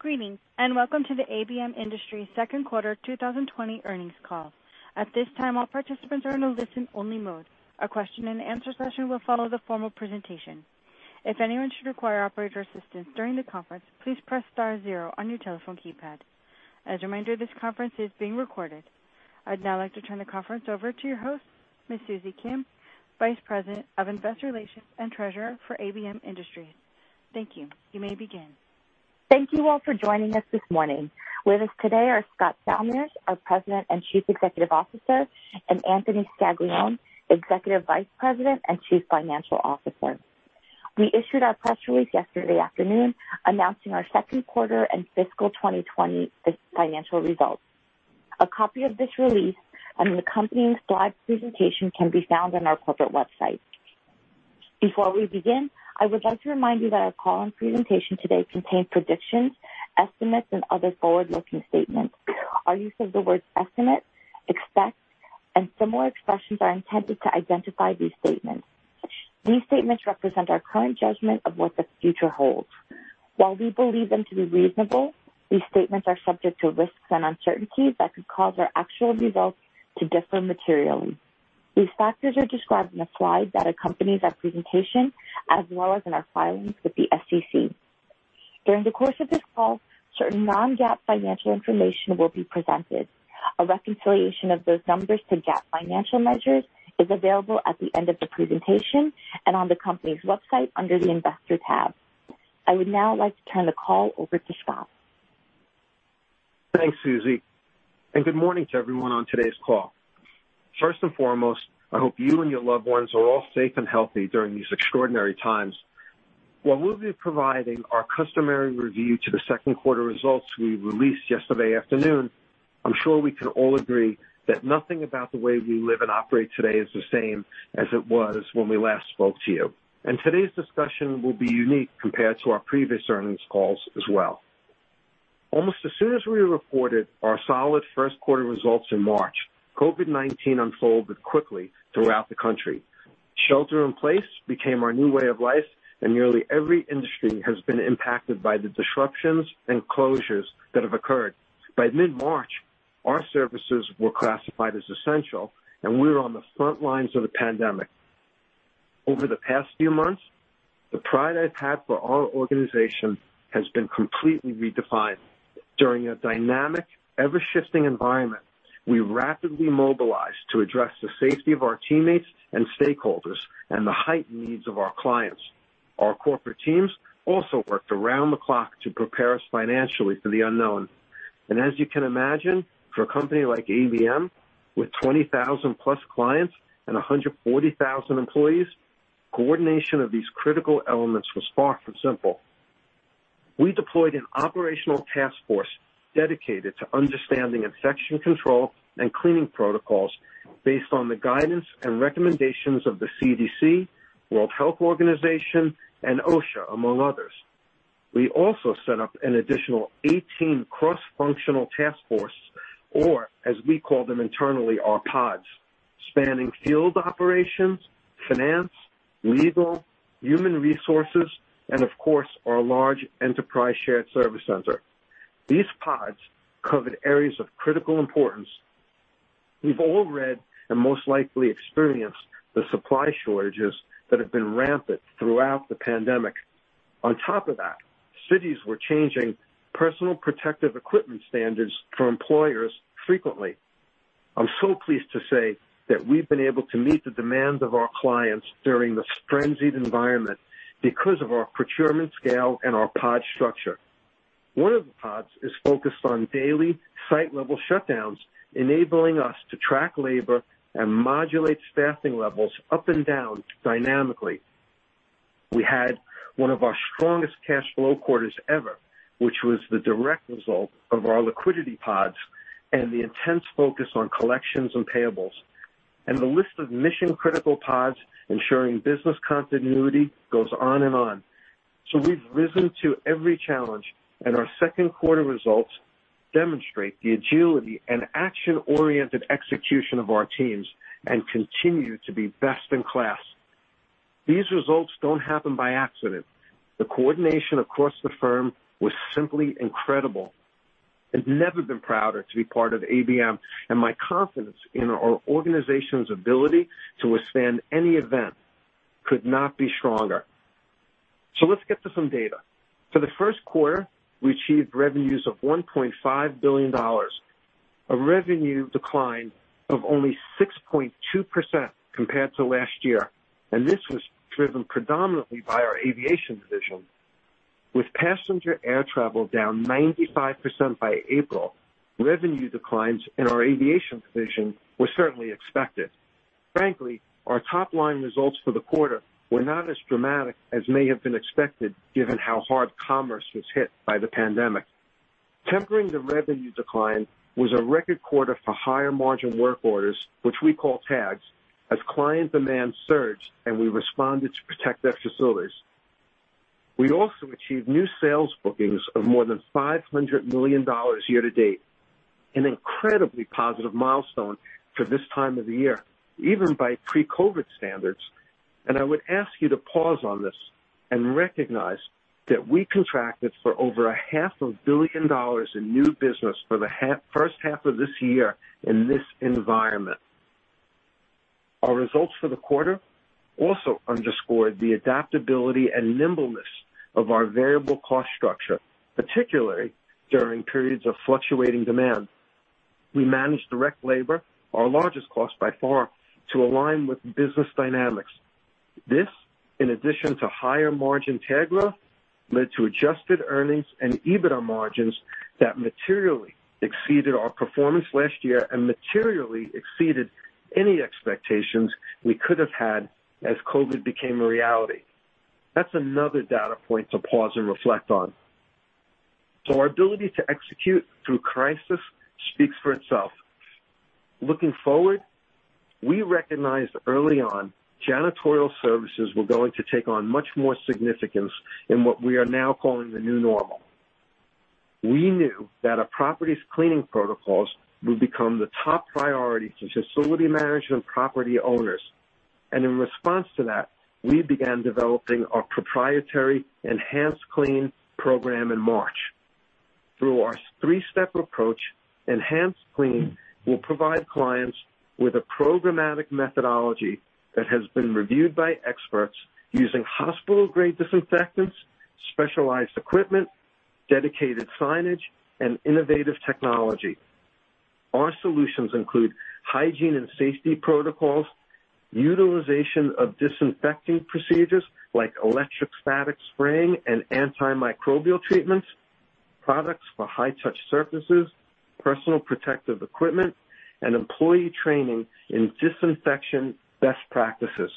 Greetings, welcome to the ABM Industries second quarter 2020 earnings call. At this time, all participants are in a listen-only mode. A question and answer session will follow the formal presentation. If anyone should require operator assistance during the conference, please press star zero on your telephone keypad. As a reminder, this conference is being recorded. I'd now like to turn the conference over to your host, Ms. Susie Kim, Vice President of Investor Relations and Treasurer for ABM Industries. Thank you. You may begin. Thank you all for joining us this morning. With us today are Scott Salmirs, our President and Chief Executive Officer, and Anthony Scaglione, Executive Vice President and Chief Financial Officer. We issued our press release yesterday afternoon announcing our second quarter and fiscal 2020 financial results. A copy of this release and the accompanying slide presentation can be found on our corporate website. Before we begin, I would like to remind you that our call and presentation today contain predictions, estimates, and other forward-looking statements. Our use of the words estimate, expect, and similar expressions are intended to identify these statements. These statements represent our current judgment of what the future holds. While we believe them to be reasonable, these statements are subject to risks and uncertainties that could cause our actual results to differ materially. These factors are described in the slide that accompanies our presentation, as well as in our filings with the SEC. During the course of this call, certain non-GAAP financial information will be presented. A reconciliation of those numbers to GAAP financial measures is available at the end of the presentation and on the company's website under the Investor tab. I would now like to turn the call over to Scott. Thanks, Susie, good morning to everyone on today's call. First and foremost, I hope you and your loved ones are all safe and healthy during these extraordinary times. While we'll be providing our customary review to the second quarter results we released yesterday afternoon, I'm sure we can all agree that nothing about the way we live and operate today is the same as it was when we last spoke to you. Today's discussion will be unique compared to our previous earnings calls as well. Almost as soon as we reported our solid first quarter results in March, COVID-19 unfolded quickly throughout the country. Shelter in place became our new way of life, and nearly every industry has been impacted by the disruptions and closures that have occurred. By mid-March, our services were classified as essential, and we were on the front lines of the pandemic. Over the past few months, the pride I've had for our organization has been completely redefined. During a dynamic, ever-shifting environment, we rapidly mobilized to address the safety of our teammates and stakeholders and the heightened needs of our clients. Our corporate teams also worked around the clock to prepare us financially for the unknown. As you can imagine, for a company like ABM, with 20,000-plus clients and 140,000 employees, coordination of these critical elements was far from simple. We deployed an operational task force dedicated to understanding infection control and cleaning protocols based on the guidance and recommendations of the CDC, World Health Organization, and OSHA, among others. We also set up an additional 18 cross-functional task forces, or as we call them internally, our pods, spanning field operations, finance, legal, human resources, and of course, our large enterprise shared service center. These pods covered areas of critical importance. We've all read and most likely experienced the supply shortages that have been rampant throughout the pandemic. On top of that, cities were changing personal protective equipment standards for employers frequently. I'm so pleased to say that we've been able to meet the demands of our clients during this frenzied environment because of our procurement scale and our pod structure. One of the pods is focused on daily site-level shutdowns, enabling us to track labor and modulate staffing levels up and down dynamically. We had one of our strongest cash flow quarters ever, which was the direct result of our liquidity pods and the intense focus on collections and payables. The list of mission-critical pods ensuring business continuity goes on and on. We've risen to every challenge, our second quarter results demonstrate the agility and action-oriented execution of our teams and continue to be best in class. These results don't happen by accident. The coordination across the firm was simply incredible. I've never been prouder to be part of ABM, my confidence in our organization's ability to withstand any event could not be stronger. Let's get to some data. For the first quarter, we achieved revenues of $1.5 billion, a revenue decline of only 6.2% compared to last year, this was driven predominantly by our aviation division. With passenger air travel down 95% by April, revenue declines in our aviation division were certainly expected. Frankly, our top-line results for the quarter were not as dramatic as may have been expected given how hard commerce was hit by the pandemic. Tempering the revenue decline was a record quarter for higher-margin work orders, which we call tags, as client demand surged, and we responded to protect their facilities. We also achieved new sales bookings of more than $500 million year-to-date. An incredibly positive milestone for this time of the year, even by pre-COVID standards. I would ask you to pause on this and recognize that we contracted for over a $half a billion dollars in new business for the first half of this year in this environment. Our results for the quarter also underscored the adaptability and nimbleness of our variable cost structure, particularly during periods of fluctuating demand. We managed direct labor, our largest cost by far, to align with business dynamics. This, in addition to higher margin tags growth, led to adjusted earnings and EBITDA margins that materially exceeded our performance last year and materially exceeded any expectations we could have had as COVID-19 became a reality. That's another data point to pause and reflect on. Our ability to execute through crisis speaks for itself. Looking forward, we recognized early on janitorial services were going to take on much more significance in what we are now calling the new normal. We knew that a property's cleaning protocols would become the top priority to facility management property owners. In response to that, we began developing our proprietary EnhancedClean Program in March. Through our three-step approach, EnhancedClean will provide clients with a programmatic methodology that has been reviewed by experts using hospital-grade disinfectants, specialized equipment, dedicated signage, and innovative technology. Our solutions include hygiene and safety protocols, utilization of disinfecting procedures like electrostatic spraying and antimicrobial treatments, products for high-touch surfaces, personal protective equipment, and employee training in disinfection best practices.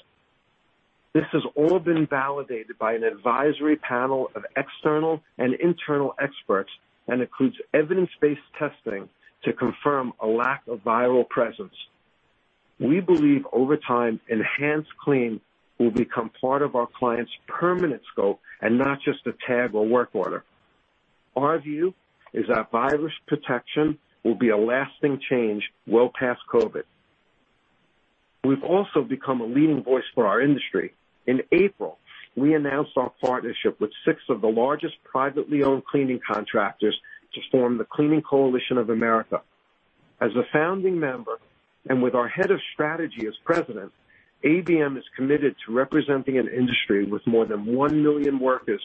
This has all been validated by an advisory panel of external and internal experts and includes evidence-based testing to confirm a lack of viral presence. We believe over time, EnhancedClean will become part of our clients' permanent scope and not just a tag or work order. Our view is that virus protection will be a lasting change well past COVID. We've also become a leading voice for our industry. In April, we announced our partnership with six of the largest privately owned cleaning contractors to form the Cleaning Coalition of America. As a founding member, and with our head of strategy as president, ABM is committed to representing an industry with more than 1 million workers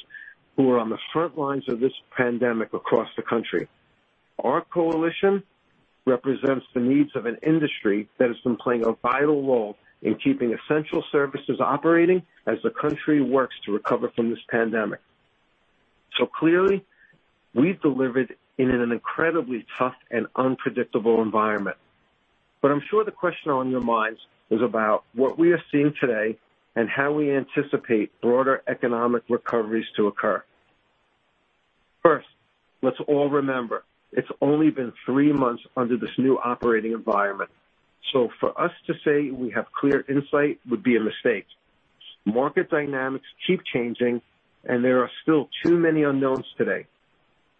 who are on the front lines of this pandemic across the country. Our coalition represents the needs of an industry that has been playing a vital role in keeping essential services operating as the country works to recover from this pandemic. Clearly, we've delivered in an incredibly tough and unpredictable environment. I'm sure the question on your minds is about what we are seeing today and how we anticipate broader economic recoveries to occur. First, let's all remember, it's only been three months under this new operating environment. For us to say we have clear insight would be a mistake. Market dynamics keep changing, and there are still too many unknowns today.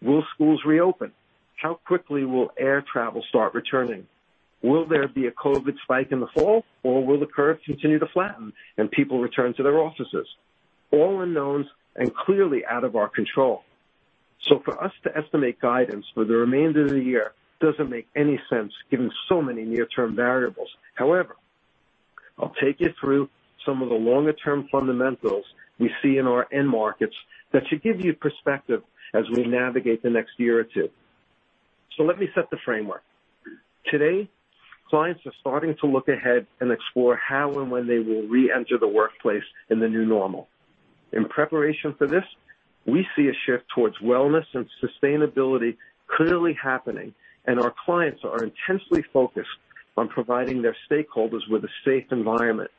Will schools reopen? How quickly will air travel start returning? Will there be a COVID spike in the fall, or will the curve continue to flatten and people return to their offices? All unknowns and clearly out of our control. For us to estimate guidance for the remainder of the year doesn't make any sense given so many near-term variables. However, I'll take you through some of the longer-term fundamentals we see in our end markets that should give you perspective as we navigate the next year or two. Let me set the framework. Today, clients are starting to look ahead and explore how and when they will reenter the workplace in the new normal. In preparation for this, we see a shift towards wellness and sustainability clearly happening, and our clients are intensely focused on providing their stakeholders with a safe environment.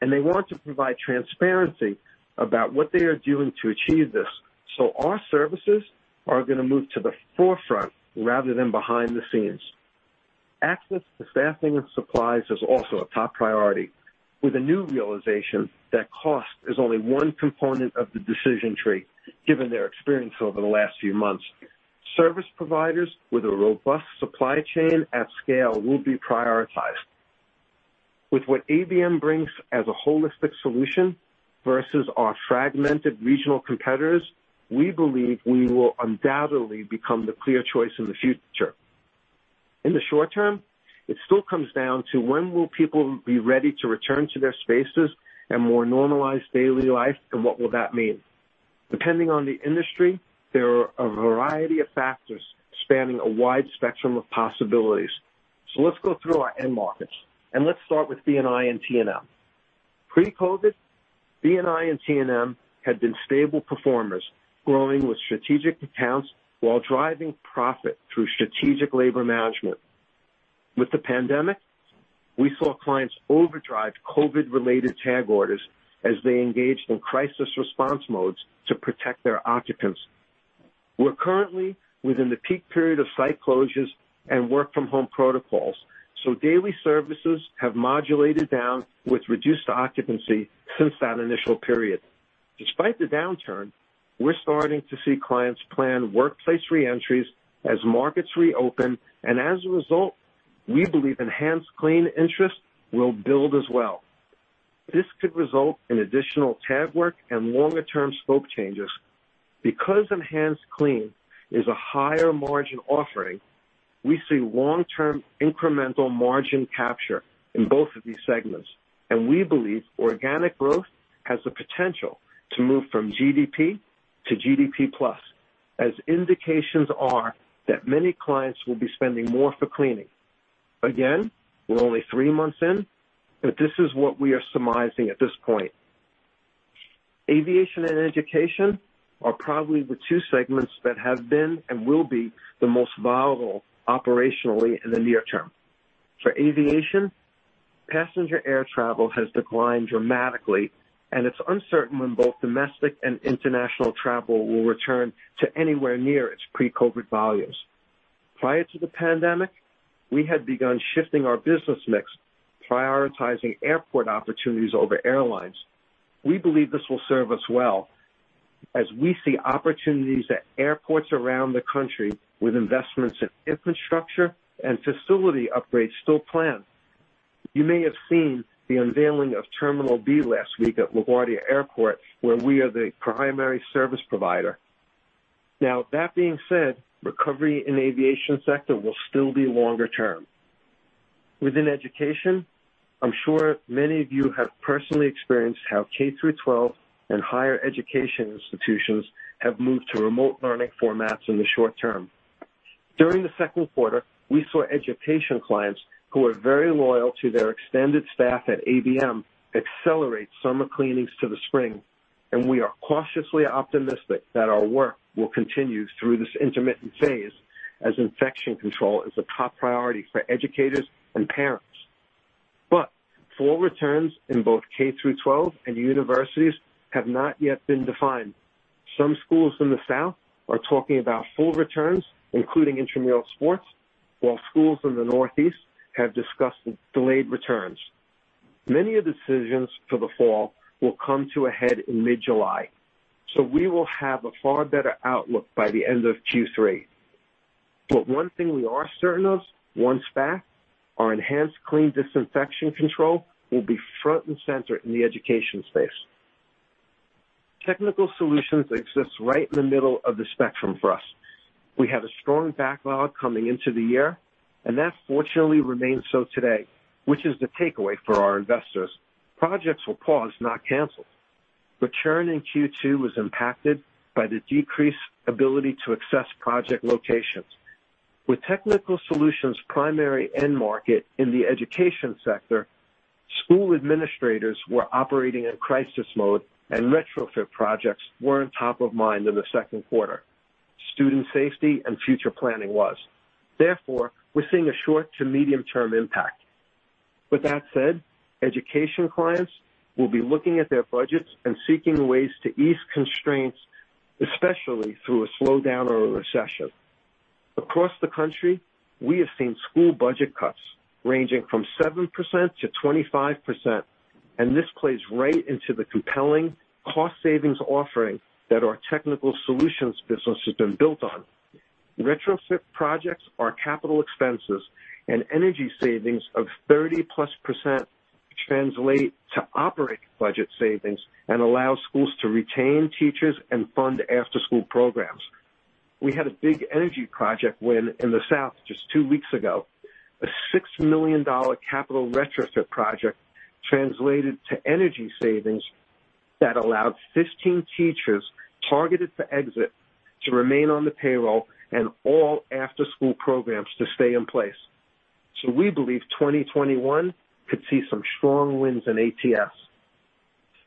They want to provide transparency about what they are doing to achieve this. Our services are going to move to the forefront rather than behind the scenes. Access to staffing and supplies is also a top priority. With a new realization that cost is only one component of the decision tree, given their experience over the last few months. Service providers with a robust supply chain at scale will be prioritized. With what ABM brings as a holistic solution versus our fragmented regional competitors, we believe we will undoubtedly become the clear choice in the future. In the short term, it still comes down to when will people be ready to return to their spaces and more normalized daily life, and what will that mean? Depending on the industry, there are a variety of factors spanning a wide spectrum of possibilities. Let's go through our end markets, and let's start with B&I and T&M. Pre-COVID, B&I and T&M had been stable performers, growing with strategic accounts while driving profit through strategic labor management. With the pandemic, we saw clients overdrive COVID-related tag orders as they engaged in crisis response modes to protect their occupants. We're currently within the peak period of site closures and work-from-home protocols, so daily services have modulated down with reduced occupancy since that initial period. Despite the downturn, we're starting to see clients plan workplace reentries as markets reopen, and as a result, we believe EnhancedClean interest will build as well. This could result in additional tag work and longer-term scope changes. Because EnhancedClean is a higher margin offering, we see long-term incremental margin capture in both of these segments, and we believe organic growth has the potential to move from GDP to GDP+, as indications are that many clients will be spending more for cleaning. We're only three months in, but this is what we are surmising at this point. Aviation and Education are probably the two segments that have been and will be the most volatile operationally in the near term. For Aviation, passenger air travel has declined dramatically, and it's uncertain when both domestic and international travel will return to anywhere near its pre-COVID-19 volumes. Prior to the pandemic, we had begun shifting our business mix, prioritizing airport opportunities over airlines. We believe this will serve us well as we see opportunities at airports around the country with investments in infrastructure and facility upgrades still planned. You may have seen the unveiling of Terminal B last week at LaGuardia Airport, where we are the primary service provider. That being said, recovery in the Aviation sector will still be longer term. Within education, I'm sure many of you have personally experienced how K-12 and higher education institutions have moved to remote learning formats in the short term. During the second quarter, we saw education clients who are very loyal to their extended staff at ABM accelerate summer cleanings to the spring, and we are cautiously optimistic that our work will continue through this intermittent phase as infection control is a top priority for educators and parents. Full returns in both K-12 and universities have not yet been defined. Some schools in the South are talking about full returns, including intramural sports, while schools in the Northeast have discussed delayed returns. Many decisions for the fall will come to a head in mid-July, so we will have a far better outlook by the end of Q3. One thing we are certain of, once back, our EnhancedClean disinfection control will be front and center in the education space. Technical solutions exists right in the middle of the spectrum for us. We had a strong backlog coming into the year, and that fortunately remains so today, which is the takeaway for our investors. Projects were paused, not canceled. Return in Q2 was impacted by the decreased ability to access project locations. With technical solutions' primary end market in the education sector, school administrators were operating in crisis mode and retrofit projects weren't top of mind in the second quarter. Student safety and future planning was. We're seeing a short to medium-term impact. Education clients will be looking at their budgets and seeking ways to ease constraints, especially through a slowdown or a recession. Across the country, we have seen school budget cuts ranging from 7%-25%, this plays right into the compelling cost savings offering that our technical solutions business has been built on. Retrofit projects are capital expenses, energy savings of 30%+ translate to operating budget savings and allow schools to retain teachers and fund after-school programs. We had a big energy project win in the South just two weeks ago. A $6 million capital retrofit project translated to energy savings that allowed 15 teachers targeted for exit to remain on the payroll and all after-school programs to stay in place. We believe 2021 could see some strong wins in ATS.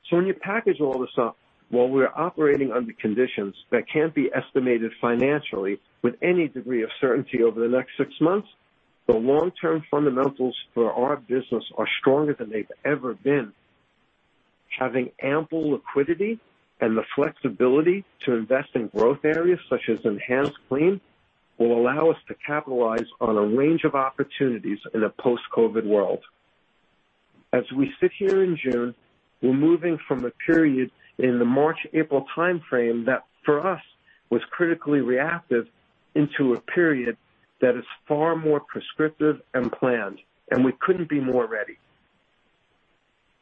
When you package all this up, while we're operating under conditions that can't be estimated financially with any degree of certainty over the next six months, the long-term fundamentals for our business are stronger than they've ever been. Having ample liquidity and the flexibility to invest in growth areas such as EnhancedClean will allow us to capitalize on a range of opportunities in a post-COVID world. As we sit here in June, we're moving from a period in the March-April timeframe that, for us, was critically reactive into a period that is far more prescriptive and planned, and we couldn't be more ready.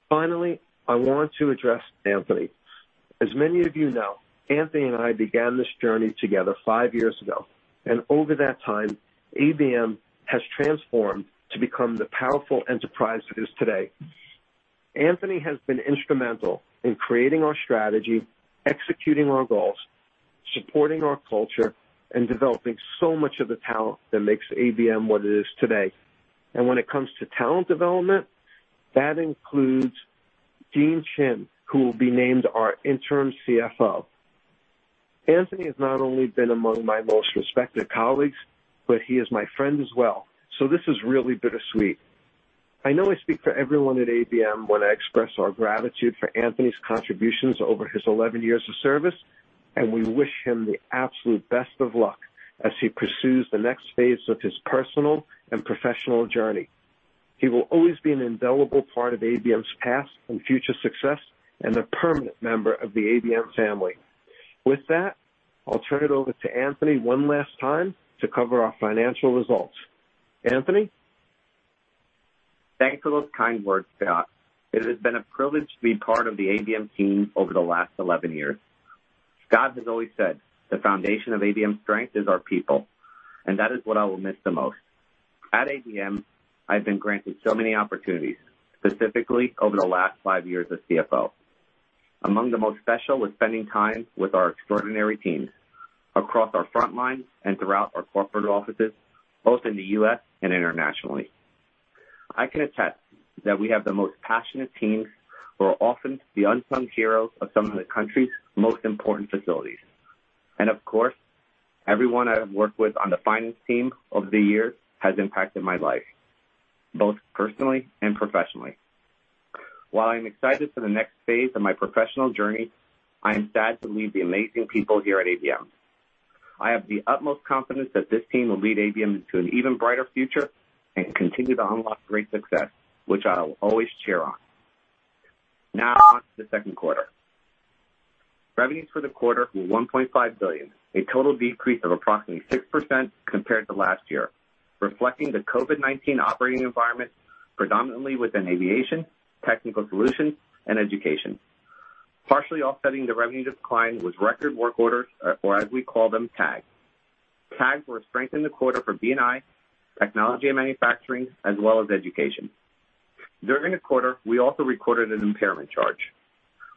Finally, I want to address Anthony. As many of you know, Anthony and I began this journey together five years ago, and over that time, ABM has transformed to become the powerful enterprise it is today. Anthony has been instrumental in creating our strategy, executing our goals, supporting our culture, and developing so much of the talent that makes ABM what it is today. When it comes to talent development, that includes Dean Chin, who will be named our interim CFO. Anthony has not only been among my most respected colleagues, but he is my friend as well. This is really bittersweet. I know I speak for everyone at ABM when I express our gratitude for Anthony's contributions over his 11 years of service, and we wish him the absolute best of luck as he pursues the next phase of his personal and professional journey. He will always be an indelible part of ABM's past and future success and a permanent member of the ABM family. With that, I'll turn it over to Anthony one last time to cover our financial results. Anthony? Thanks for those kind words, Scott. It has been a privilege to be part of the ABM team over the last 11 years. Scott has always said the foundation of ABM's strength is our people, and that is what I will miss the most. At ABM, I've been granted so many opportunities, specifically over the last five years as CFO. Among the most special was spending time with our extraordinary teams across our frontlines and throughout our corporate offices, both in the U.S. and internationally. I can attest that we have the most passionate teams who are often the unsung heroes of some of the country's most important facilities. Of course, everyone I have worked with on the finance team over the years has impacted my life, both personally and professionally. While I'm excited for the next phase of my professional journey, I am sad to leave the amazing people here at ABM. I have the utmost confidence that this team will lead ABM into an even brighter future and continue to unlock great success, which I will always cheer on. Now on to the second quarter. Revenues for the quarter were $1.5 billion, a total decrease of approximately 6% compared to last year, reflecting the COVID-19 operating environment predominantly within aviation, technical solutions, and education. Partially offsetting the revenue decline was record work orders, or as we call them, tags. tags were a strength in the quarter for B&I, technology and manufacturing, as well as education. During the quarter, we also recorded an impairment charge.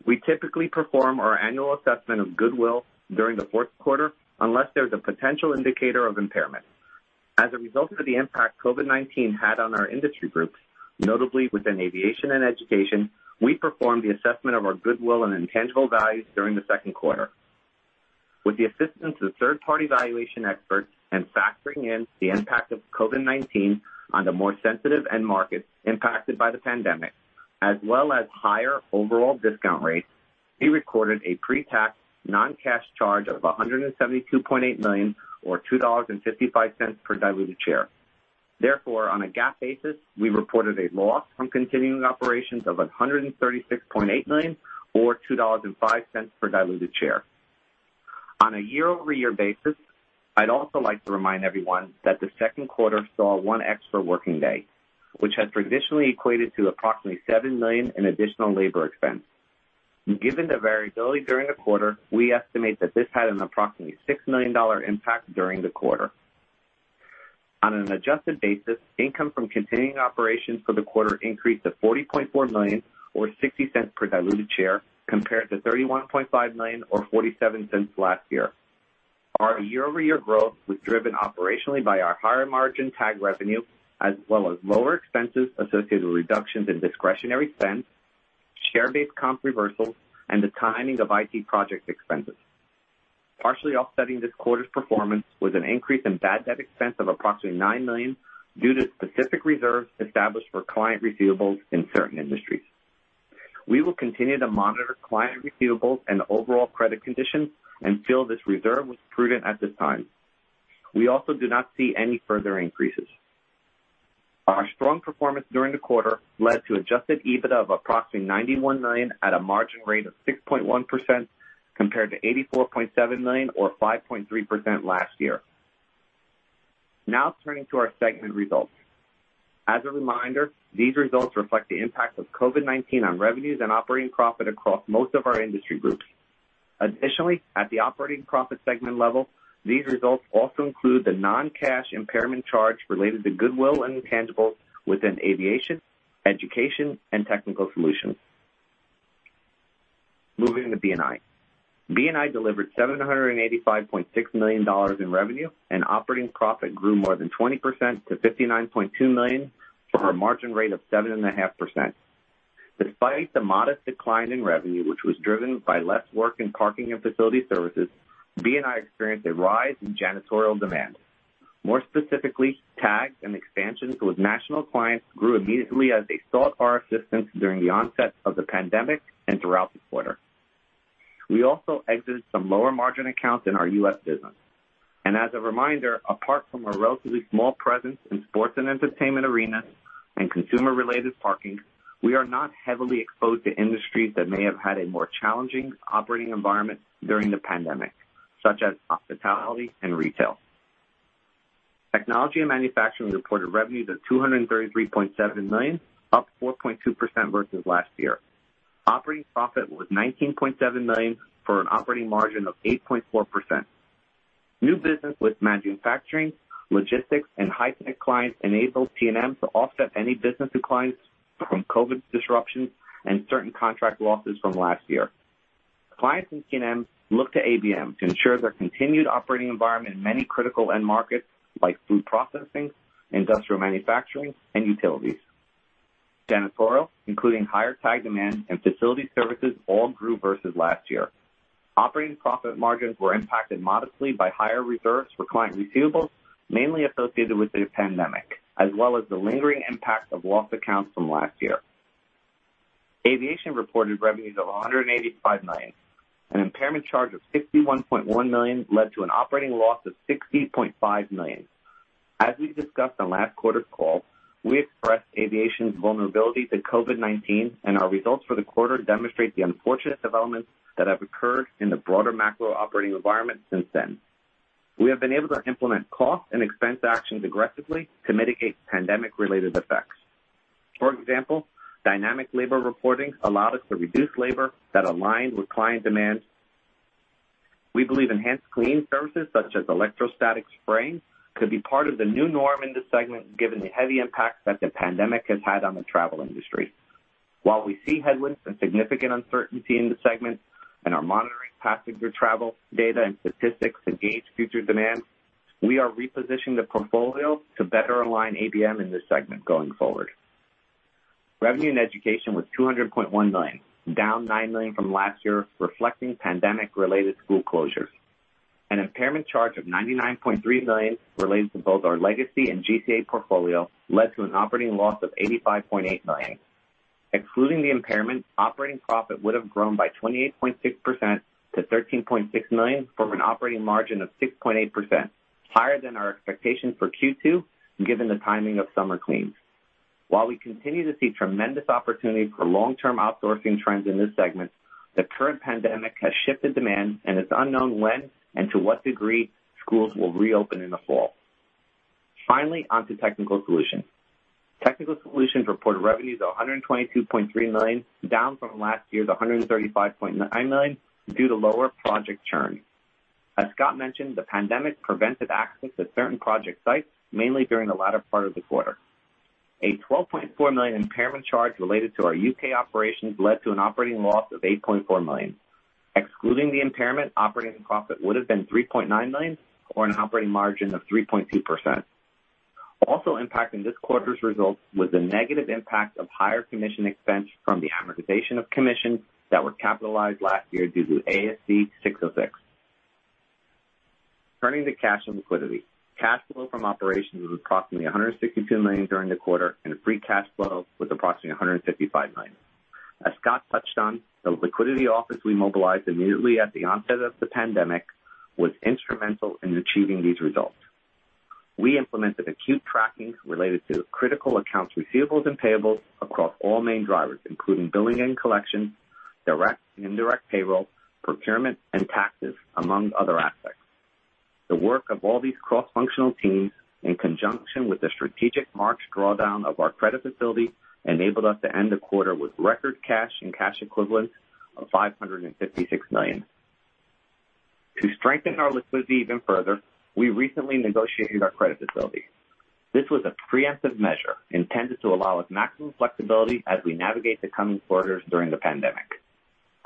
We typically perform our annual assessment of goodwill during the fourth quarter, unless there's a potential indicator of impairment. As a result of the impact COVID-19 had on our industry groups, notably within aviation and education, we performed the assessment of our goodwill and intangible values during the second quarter. With the assistance of third-party valuation experts and factoring in the impact of COVID-19 on the more sensitive end markets impacted by the pandemic, as well as higher overall discount rates, we recorded a pre-tax non-cash charge of $172.8 million or $2.55 per diluted share. On a GAAP basis, we reported a loss from continuing operations of $136.8 million or $2.05 per diluted share. On a year-over-year basis, I'd also like to remind everyone that the second quarter saw one extra working day, which has traditionally equated to approximately $7 million in additional labor expense. Given the variability during the quarter, we estimate that this had an approximately $6 million impact during the quarter. On an adjusted basis, income from continuing operations for the quarter increased to $40.4 million or $0.60 per diluted share compared to $31.5 million or $0.47 last year. Our year-over-year growth was driven operationally by our higher margin TAG revenue, as well as lower expenses associated with reductions in discretionary spend, share-based comp reversals, and the timing of IT project expenses. Partially offsetting this quarter's performance was an increase in bad debt expense of approximately $9 million due to specific reserves established for client receivables in certain industries. We will continue to monitor client receivables and overall credit conditions and feel this reserve was prudent at this time. We also do not see any further increases. Our strong performance during the quarter led to adjusted EBITDA of approximately $91 million at a margin rate of 6.1% compared to $84.7 million or 5.3% last year. Now turning to our segment results. As a reminder, these results reflect the impact of COVID-19 on revenues and operating profit across most of our industry groups. At the operating profit segment level, these results also include the non-cash impairment charge related to goodwill and intangibles within aviation, education, and technical solutions. Moving to B&I. B&I delivered $785.6 million in revenue, and operating profit grew more than 20% to $59.2 million for a margin rate of 7.5%. Despite the modest decline in revenue, which was driven by less work in parking and facility services, B&I experienced a rise in janitorial demand. More specifically, TAGs and expansions with national clients grew immediately as they sought our assistance during the onset of the pandemic and throughout the quarter. We also exited some lower-margin accounts in our U.S. business. As a reminder, apart from a relatively small presence in sports and entertainment arenas and consumer-related parking, we are not heavily exposed to industries that may have had a more challenging operating environment during the pandemic, such as hospitality and retail. Technology and manufacturing reported revenues of $233.7 million, up 4.2% versus last year. Operating profit was $19.7 million for an operating margin of 8.4%. New business with manufacturing, logistics, and high-tech clients enabled T&M to offset any business declines from COVID disruptions and certain contract losses from last year. Clients in T&M look to ABM to ensure their continued operating environment in many critical end markets like food processing, industrial manufacturing, and utilities. Janitorial, including higher TAG demand and facility services, all grew versus last year. Operating profit margins were impacted modestly by higher reserves for client receivables, mainly associated with the pandemic, as well as the lingering impact of lost accounts from last year. Aviation reported revenues of $185 million. An impairment charge of $61.1 million led to an operating loss of $60.5 million. As we discussed on last quarter's call, we expressed aviation's vulnerability to COVID-19, and our results for the quarter demonstrate the unfortunate developments that have occurred in the broader macro operating environment since then. We have been able to implement cost and expense actions aggressively to mitigate pandemic-related effects. For example, dynamic labor reporting allowed us to reduce labor that aligned with client demand. We believe EnhancedClean services such as electrostatic spraying could be part of the new norm in this segment, given the heavy impact that the pandemic has had on the travel industry. While we see headwinds and significant uncertainty in this segment and are monitoring passenger travel data and statistics to gauge future demand, we are repositioning the portfolio to better align ABM in this segment going forward. Revenue in education was $200.1 million, down $9 million from last year, reflecting pandemic-related school closures. An impairment charge of $99.3 million related to both our legacy and GCA portfolio led to an operating loss of $85.8 million. Excluding the impairment, operating profit would have grown by 28.6% to $13.6 million from an operating margin of 6.8%, higher than our expectations for Q2, given the timing of summer cleans. While we continue to see tremendous opportunity for long-term outsourcing trends in this segment, the current pandemic has shifted demand, and it's unknown when and to what degree schools will reopen in the fall. On to technical solutions. Technical Solutions reported revenues of $122.3 million, down from last year's $135.9 million, due to lower project turnover. As Scott mentioned, the pandemic prevented access to certain project sites, mainly during the latter part of the quarter. A $12.4 million impairment charge related to our U.K. operations led to an operating loss of $8.4 million. Excluding the impairment, operating profit would have been $3.9 million or an operating margin of 3.2%. Also impacting this quarter's results was the negative impact of higher commission expense from the amortization of commissions that were capitalized last year due to ASC 606. Turning to cash and liquidity. Cash flow from operations was approximately $162 million during the quarter, and free cash flow was approximately $155 million. As Scott touched on, the liquidity office we mobilized immediately at the onset of the pandemic was instrumental in achieving these results. We implemented acute trackings related to critical accounts receivables and payables across all main drivers, including billing and collection, direct and indirect payroll, procurement, and taxes, among other aspects. The work of all these cross-functional teams, in conjunction with the strategic March drawdown of our credit facility, enabled us to end the quarter with record cash and cash equivalents of $556 million. To strengthen our liquidity even further, we recently negotiated our credit facility. This was a preemptive measure intended to allow us maximum flexibility as we navigate the coming quarters during the pandemic.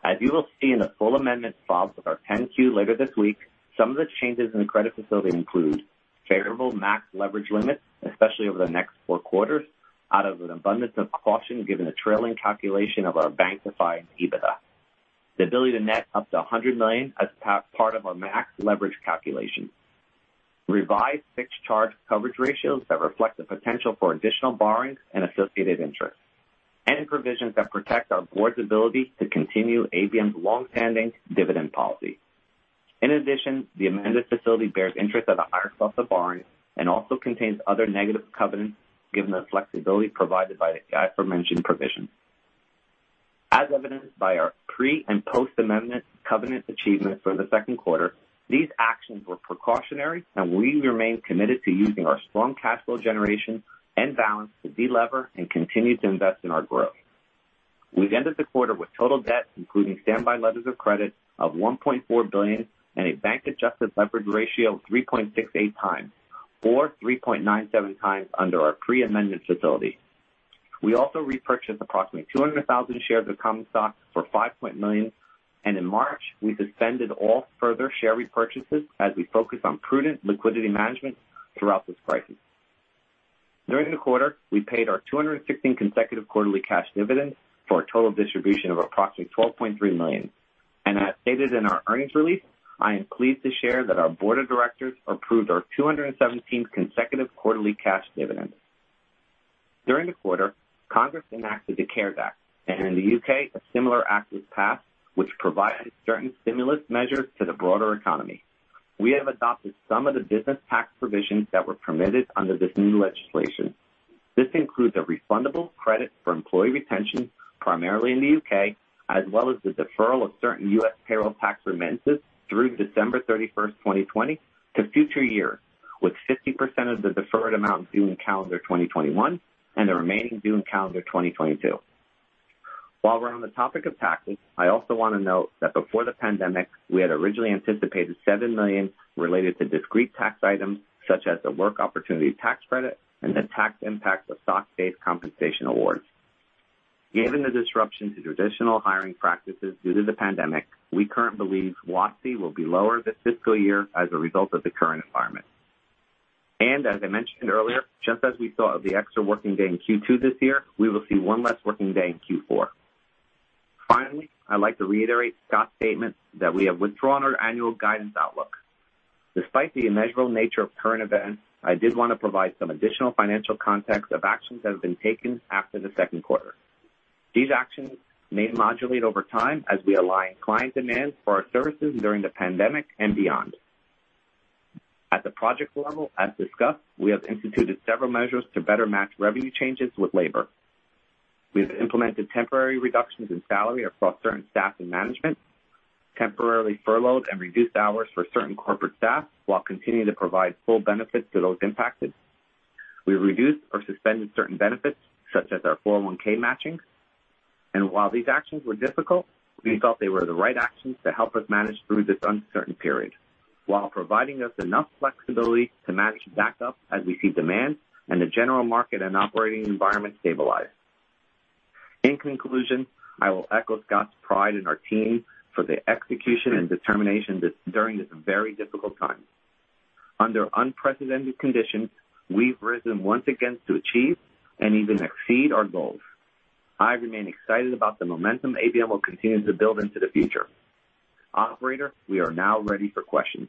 As you will see in the full amendment filed with our 10-Q later this week, some of the changes in the credit facility include favorable max leverage limits, especially over the next four quarters, out of an abundance of caution, given the trailing calculation of our bank-defined EBITDA. The ability to net up to $100 million as part of our max leverage calculation. Revised fixed charge coverage ratios that reflect the potential for additional borrowings and associated interest, and provisions that protect our board's ability to continue ABM's longstanding dividend policy. In addition, the amended facility bears interest at a higher cost of borrowing and also contains other negative covenants given the flexibility provided by the aforementioned provisions. As evidenced by our pre- and post-amendment covenant achievements for the second quarter, these actions were precautionary, and we remain committed to using our strong cash flow generation and balance to delever and continue to invest in our growth. We ended the quarter with total debt, including standby letters of credit, of $1.4 billion and a bank-adjusted leverage ratio of 3.68 times or 3.97 times under our pre-amendment facility. We also repurchased approximately 200,000 shares of common stock for $5.9 million. In March, we suspended all further share repurchases as we focus on prudent liquidity management throughout this crisis. During the quarter, we paid our 216th consecutive quarterly cash dividend for a total distribution of approximately $12.3 million. As stated in our earnings release, I am pleased to share that our board of directors approved our 217th consecutive quarterly cash dividend. During the quarter, Congress enacted the CARES Act, and in the U.K., a similar act was passed, which provided certain stimulus measures to the broader economy. We have adopted some of the business tax provisions that were permitted under this new legislation. This includes a refundable credit for employee retention, primarily in the U.K., as well as the deferral of certain U.S. payroll tax remittances through December 31st, 2020 to future years, with 50% of the deferred amount due in calendar 2021 and the remaining due in calendar 2022. While we're on the topic of taxes, I also want to note that before the pandemic, we had originally anticipated $7 million related to discrete tax items such as the Work Opportunity Tax Credit and the tax impact of stock-based compensation awards. Given the disruption to traditional hiring practices due to the pandemic, we currently believe WOTC will be lower this fiscal year as a result of the current environment. As I mentioned earlier, just as we saw the extra working day in Q2 this year, we will see one less working day in Q4. Finally, I'd like to reiterate Scott's statement that we have withdrawn our annual guidance outlook. Despite the immeasurable nature of current events, I did want to provide some additional financial context of actions that have been taken after the second quarter. These actions may modulate over time as we align client demands for our services during the pandemic and beyond. At the project level, as discussed, we have instituted several measures to better match revenue changes with labor. We've implemented temporary reductions in salary across certain staff and management, temporarily furloughed and reduced hours for certain corporate staff, while continuing to provide full benefits to those impacted. We reduced or suspended certain benefits, such as our 401 matching. While these actions were difficult, we felt they were the right actions to help us manage through this uncertain period, while providing us enough flexibility to manage back up as we see demand and the general market and operating environment stabilize. In conclusion, I will echo Scott's pride in our team for the execution and determination during this very difficult time. Under unprecedented conditions, we've risen once again to achieve and even exceed our goals. I remain excited about the momentum ABM will continue to build into the future. Operator, we are now ready for questions.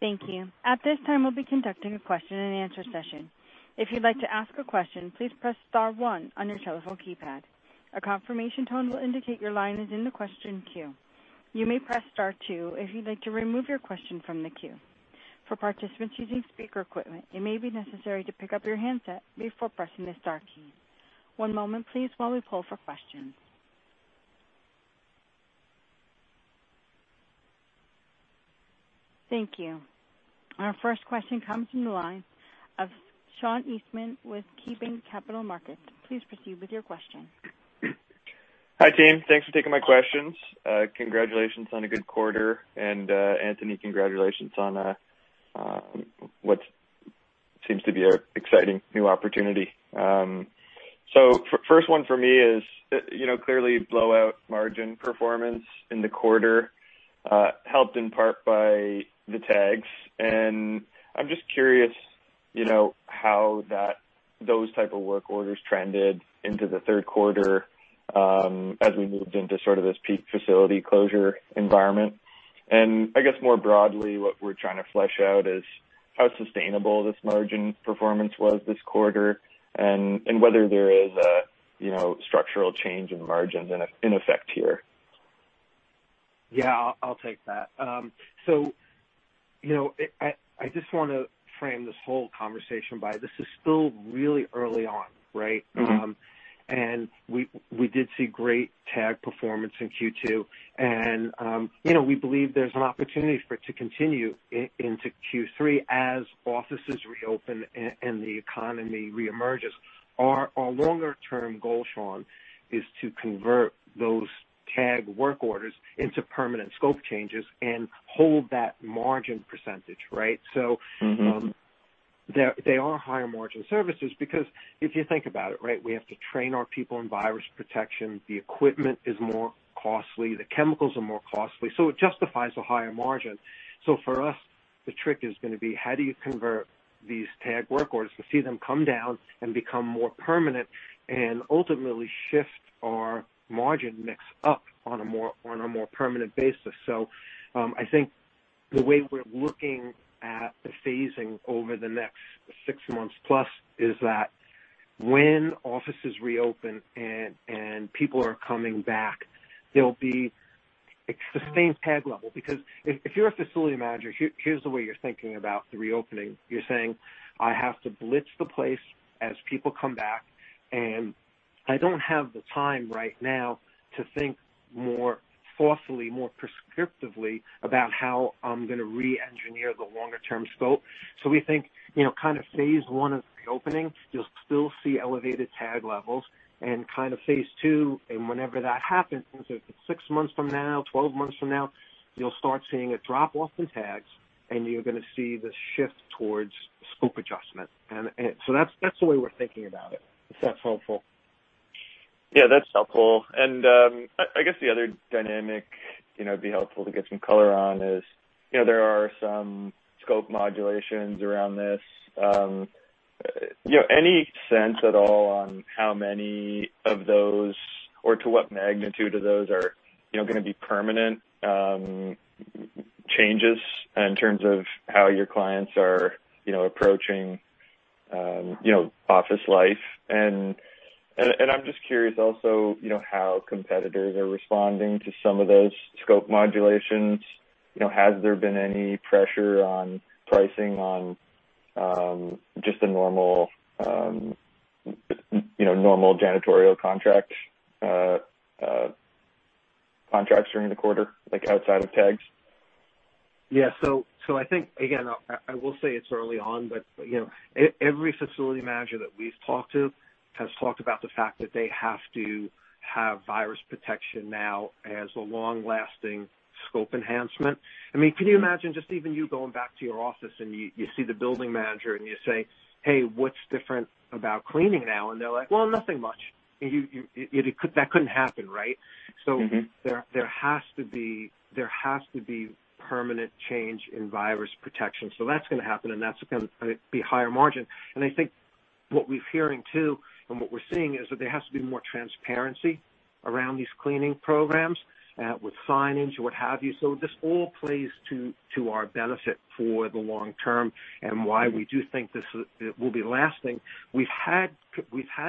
Thank you. At this time, we'll be conducting a question and answer session. If you'd like to ask a question, please press star one on your telephone keypad. A confirmation tone will indicate your line is in the question queue. You may press star two if you'd like to remove your question from the queue. For participants using speaker equipment, it may be necessary to pick up your handset before pressing the star key. One moment, please, while we pull for questions. Thank you. Our first question comes from the line of Sean Eastman with KeyBanc Capital Markets. Please proceed with your question. Hi, team. Thanks for taking my questions. Congratulations on a good quarter. Anthony, congratulations on what seems to be an exciting new opportunity. First one for me is, clearly blowout margin performance in the quarter, helped in part by the tags. I'm just curious how those type of work orders trended into the third quarter, as we moved into sort of this peak facility closure environment. I guess more broadly, what we're trying to flesh out is how sustainable this margin performance was this quarter and whether there is a structural change in margins in effect here. Yeah, I'll take that. I just want to frame this whole conversation by this is still really early on, right? We did see great tag performance in Q2. We believe there's an opportunity for it to continue into Q3 as offices reopen and the economy re-emerges. Our longer term goal, Sean, is to convert those tag work orders into permanent scope changes and hold that margin percentage, right? They are higher margin services because if you think about it, we have to train our people in virus protection. The equipment is more costly. The chemicals are more costly. It justifies a higher margin. For us, the trick is going to be how do you convert these tag work orders to see them come down and become more permanent and ultimately shift our margin mix up on a more permanent basis. I think the way we're looking at the phasing over the next six months plus is that when offices reopen and people are coming back, there'll be a sustained tag level. If you're a facility manager, here's the way you're thinking about the reopening. You're saying, "I have to blitz the place as people come back, and I don't have the time right now to think more forcefully, more prescriptively about how I'm going to re-engineer the longer term scope." We think, kind of phase 1 of reopening, you'll still see elevated tag levels. Kind of phase 2, and whenever that happens, if it's six months from now, 12 months from now, you'll start seeing a drop-off in tags, and you're going to see the shift towards scope adjustment. That's the way we're thinking about it. Is that helpful? That's helpful. I guess the other dynamic it'd be helpful to get some color on is, there are some scope modulations around this. Any sense at all on how many of those, or to what magnitude of those are going to be permanent changes in terms of how your clients are approaching office life? I'm just curious also how competitors are responding to some of those scope modulations. Has there been any pressure on pricing on just the normal janitorial contracts during the quarter, like outside of tags? Yeah. I think, again, I will say it's early on, but every facility manager that we've talked to has talked about the fact that they have to have virus protection now as a long-lasting scope enhancement. Could you imagine just even you going back to your office, and you see the building manager, and you say, "Hey, what's different about cleaning now?" They're like, "Well, nothing much." That couldn't happen, right? There has to be permanent change in virus protection. That's going to happen, and that's going to be higher margin. What we're hearing too, and what we're seeing is that there has to be more transparency around these cleaning programs, with signage, what have you. This all plays to our benefit for the long term and why we do think this will be lasting. We've had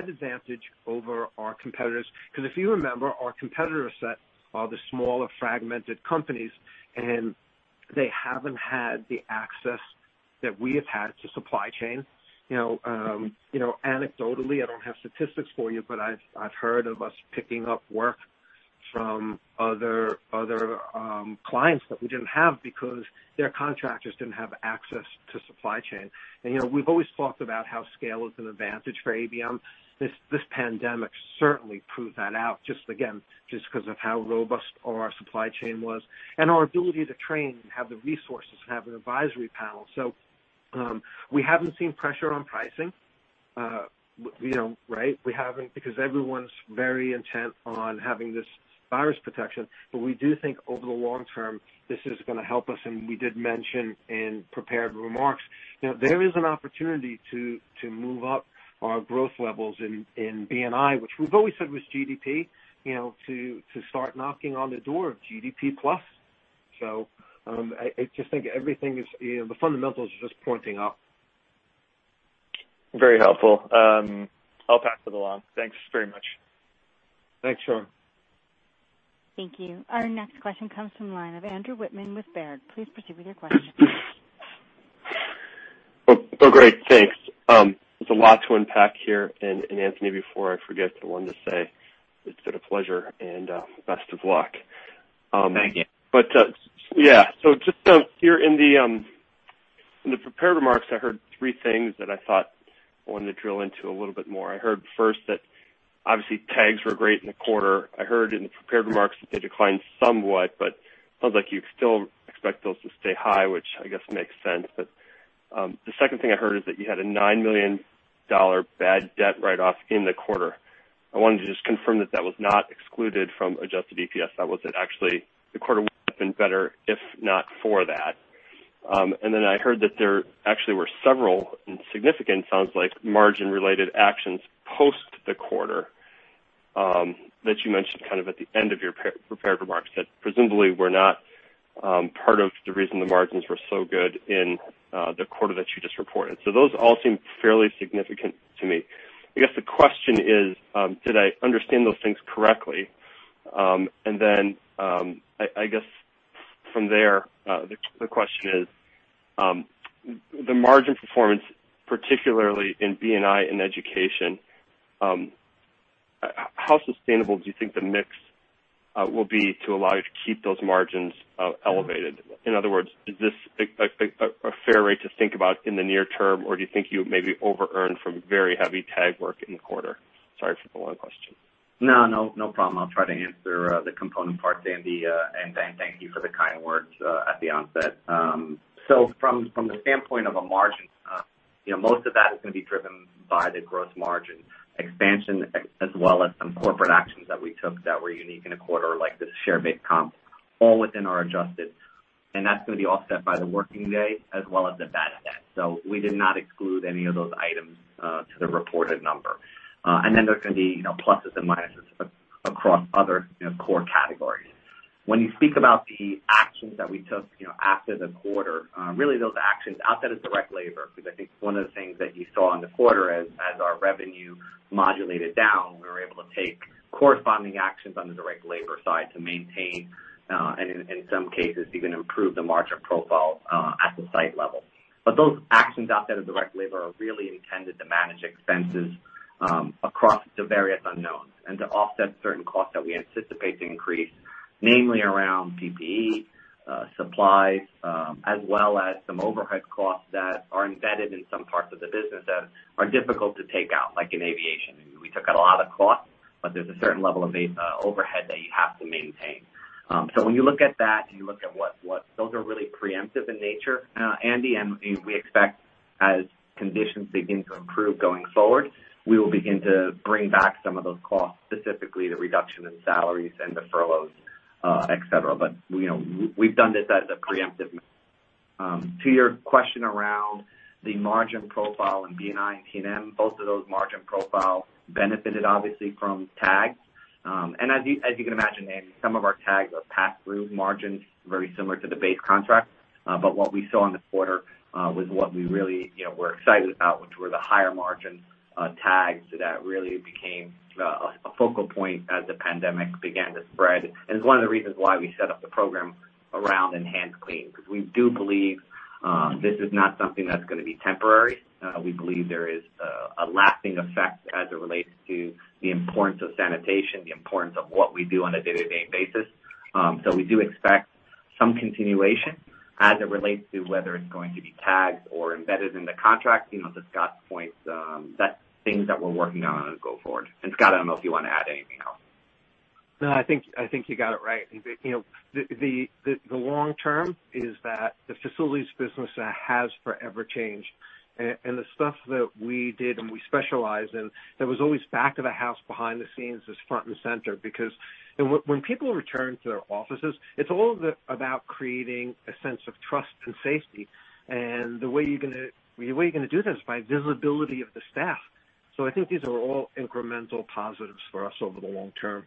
advantage over our competitors because if you remember, our competitor set are the smaller fragmented companies, and they haven't had the access that we have had to supply chain. Anecdotally, I don't have statistics for you, but I've heard of us picking up work from other clients that we didn't have because their contractors didn't have access to supply chain. We've always talked about how scale is an advantage for ABM. This pandemic certainly proved that out just, again, just because of how robust our supply chain was and our ability to train and have the resources and have an advisory panel. We haven't seen pressure on pricing. We haven't, because everyone's very intent on having this virus protection. We do think over the long term, this is going to help us, and we did mention in prepared remarks. There is an opportunity to move up our growth levels in B&I, which we've always said was GDP, to start knocking on the door of GDP plus. I just think The fundamentals are just pointing up. Very helpful. I'll pass it along. Thanks very much. Thanks, Sean. Thank you. Our next question comes from the line of Andrew Wittmann with Baird. Please proceed with your question. Oh, great. Thanks. There's a lot to unpack here, and Anthony, before I forget, I wanted to say it's been a pleasure and best of luck. Thank you. Yeah. Just here in the prepared remarks, I heard three things that I thought I wanted to drill into a little bit more. I heard first that obviously tags were great in the quarter. I heard in the prepared remarks that they declined somewhat, sounds like you still expect those to stay high, which I guess makes sense. The second thing I heard is that you had a $9 million bad debt write-off in the quarter. I wanted to just confirm that that was not excluded from adjusted EPS. That was actually the quarter would have been better if not for that. Then I heard that there actually were several and significant, sounds like, margin related actions post the quarter, that you mentioned kind of at the end of your prepared remarks that presumably were not part of the reason the margins were so good in the quarter that you just reported. Those all seem fairly significant to me. I guess the question is, did I understand those things correctly? Then, I guess from there, the question is, the margin performance, particularly in B&I and education, how sustainable do you think the mix will be to allow you to keep those margins elevated? In other words, is this a fair rate to think about in the near term, or do you think you maybe overearned from very heavy tag work in the quarter? Sorry for the long question. No. No problem. I'll try to answer the component parts, Andrew, and thank you for the kind words at the onset. From the standpoint of a margin, most of that is going to be driven by the gross margin expansion, as well as some corporate actions that we took that were unique in a quarter like this share-based comp, all within our adjusted. That's going to be offset by the working day as well as the bad debt. We did not exclude any of those items to the reported number. Then there's going to be pluses and minuses across other core categories. When you speak about the actions that we took after the quarter, really those actions outside of direct labor, because I think one of the things that you saw in the quarter as our revenue modulated down, we were able to take corresponding actions on the direct labor side to maintain, and in some cases, even improve the margin profile at the site level. But those actions outside of direct labor are really intended to manage expenses across the various unknowns and to offset certain costs that we anticipate to increase, namely around PPE, supplies, as well as some overhead costs that are embedded in some parts of the business that are difficult to take out, like in aviation. We took out a lot of costs, but there's a certain level of overhead that you have to maintain. When you look at that and you look at Those are really preemptive in nature, Andrew, and we expect as conditions begin to improve going forward, we will begin to bring back some of those costs, specifically the reduction in salaries and the furloughs, et cetera. We've done this as a preemptive measure. To your question around the margin profile in B&I and T&M, both of those margin profiles benefited obviously from tags. As you can imagine, Andrew, some of our tags are pass-through margins, very similar to the base contract. What we saw in the quarter, was what we really were excited about, which were the higher margin tags that really became a focal point as the pandemic began to spread. It's one of the reasons why we set up the program around EnhancedClean, because we do believe this is not something that's going to be temporary. We believe there is a lasting effect as it relates to the importance of sanitation, the importance of what we do on a day-to-day basis. We do expect some continuation as it relates to whether it's going to be tags or embedded in the contract. To Scott's point, that's things that we're working on as we go forward. Scott, I don't know if you want to add anything else. No, I think you got it right. The long term is that the facilities business has forever changed. The stuff that we did and we specialize in that was always back of the house behind the scenes is front and center. When people return to their offices, it's all about creating a sense of trust and safety. The way you're going to do this is by visibility of the staff. I think these are all incremental positives for us over the long term.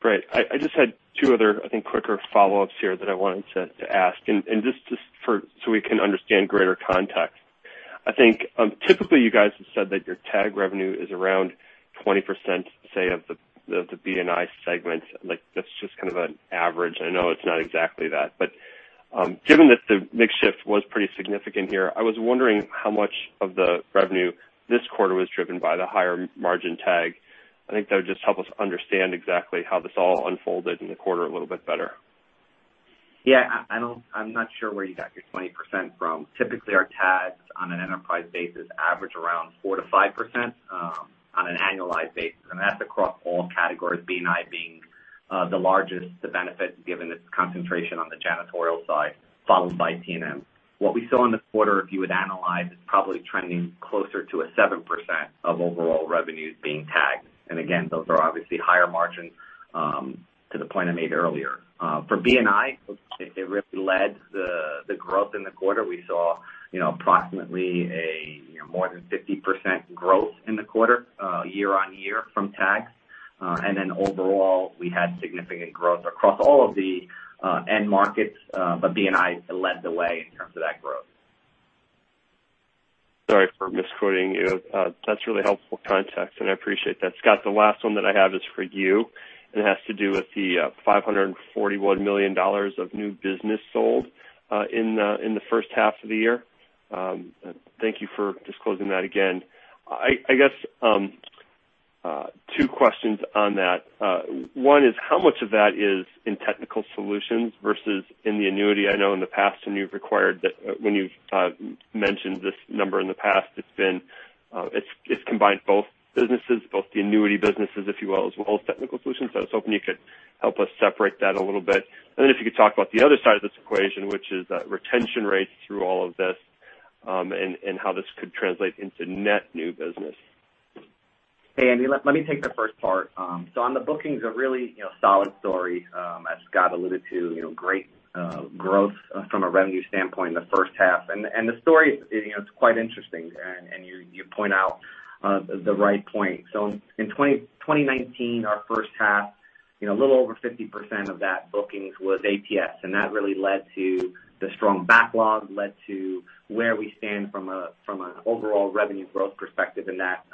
Great. I just had two other, I think, quicker follow-ups here that I wanted to ask, and just so we can understand greater context. I think, typically, you guys have said that your tag revenue is around 20%, say, of the B&I segment. That's just kind of an average. I know it's not exactly that. Given that the mix shift was pretty significant here, I was wondering how much of the revenue this quarter was driven by the higher margin tag. I think that would just help us understand exactly how this all unfolded in the quarter a little bit better. Yeah. I'm not sure where you got your 20% from. Typically, our tags, on an enterprise basis, average around 4%-5% on an annualized basis, and that's across all categories, B&I being the largest benefit, given its concentration on the janitorial side, followed by T&M. What we saw in the quarter, if you would analyze, is probably trending closer to a 7% of overall revenues being tagged. Again, those are obviously higher margin, to the point I made earlier. For B&I, it really led the growth in the quarter. We saw approximately a more than 50% growth in the quarter, year-over-year from tags. Then overall, we had significant growth across all of the end markets, but B&I led the way in terms of that growth. Sorry for misquoting you. That's really helpful context, and I appreciate that. Scott, the last one that I have is for you, and it has to do with the $541 million of new business sold in the first half of the year. Thank you for disclosing that again. I guess two questions on that. One is, how much of that is in technical solutions versus in the annuity? I know in the past when you've mentioned this number in the past, it's combined both businesses, both the annuity businesses, if you will, as well as technical solutions. I was hoping you could help us separate that a little bit. If you could talk about the other side of this equation, which is retention rates through all of this, and how this could translate into net new business. Hey, Andrew, let me take the first part. On the bookings, a really solid story, as Scott alluded to. Great growth from a revenue standpoint in the first half. The story, it's quite interesting, and you point out the right point. In 2019, our first half, a little over 50% of that bookings was ATS. That really led to the strong backlog, led to where we stand from an overall revenue growth perspective in that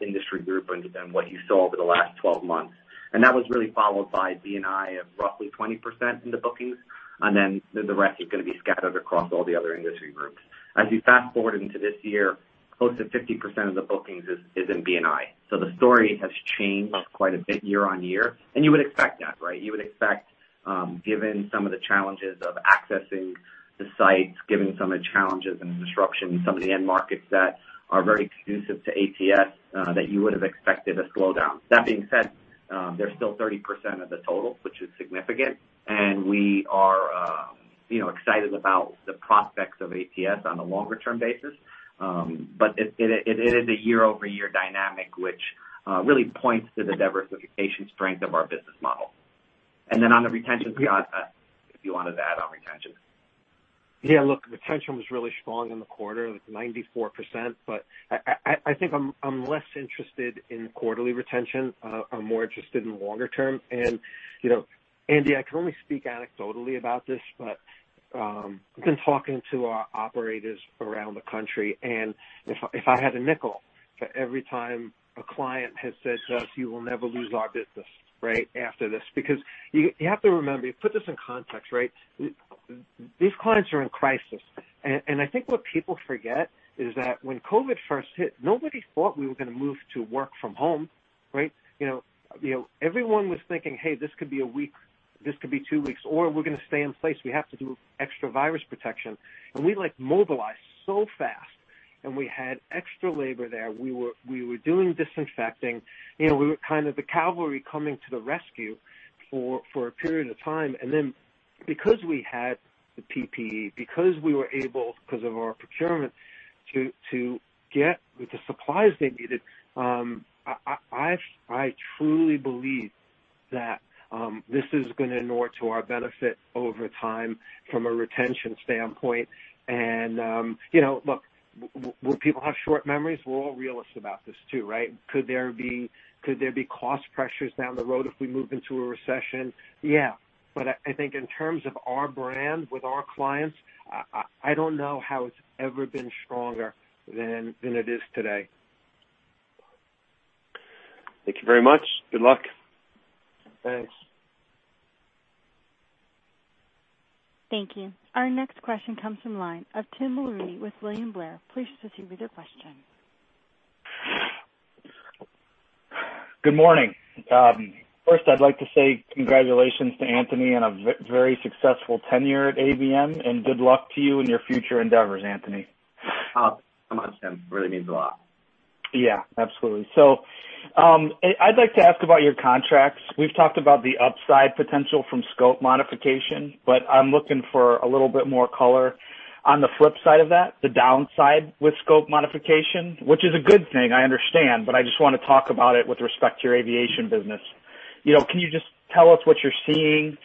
industry group and what you saw over the last 12 months. That was really followed by B&I of roughly 20% in the bookings. The rest is going to be scattered across all the other industry groups. As you fast-forward into this year, close to 50% of the bookings is in B&I. The story has changed quite a bit year-over-year. You would expect that, right? You would expect, given some of the challenges of accessing the sites, given some of the challenges and the disruption in some of the end markets that are very conducive to ATS, that you would have expected a slowdown. That being said, they're still 30% of the total, which is significant. We are excited about the prospects of ATS on a longer-term basis. It is a year-over-year dynamic, which really points to the diversification strength of our business model. On the retention side, Scott, if you want to add on retention. Yeah, look, retention was really strong in the quarter, like 94%. I think I'm less interested in quarterly retention. I'm more interested in longer term. Andrew, I can only speak anecdotally about this, but we've been talking to our operators around the country, and if I had a nickel for every time a client has said to us, "You will never lose our business," right after this. You have to remember, you put this in context, right? These clients are in crisis. I think what people forget is that when COVID first hit, nobody thought we were going to move to work from home. Everyone was thinking, "Hey, this could be a week." This could be two weeks, or, "We're going to stay in place." We have to do extra virus protection. We mobilized so fast, and we had extra labor there. We were doing disinfecting. We were kind of the cavalry coming to the rescue for a period of time. Because we had the PPE, because we were able, because of our procurement, to get the supplies they needed, I truly believe that this is going to inure to our benefit over time from a retention standpoint. Look, will people have short memories? We're all realists about this, too, right? Could there be cost pressures down the road if we move into a recession? Yeah. I think in terms of our brand with our clients, I don't know how it's ever been stronger than it is today. Thank you very much. Good luck. Thanks. Thank you. Our next question comes from the line of Tim Mulrooney with William Blair. Please proceed with your question. Good morning. First, I'd like to say congratulations to Anthony on a very successful tenure at ABM, and good luck to you in your future endeavors, Anthony. Oh, come on, Tim. Really means a lot. Yeah, absolutely. I'd like to ask about your contracts. We've talked about the upside potential from scope modification, but I'm looking for a little bit more color on the flip side of that, the downside with scope modification, which is a good thing, I understand, but I just want to talk about it with respect to your aviation business. Can you just tell us what you're seeing?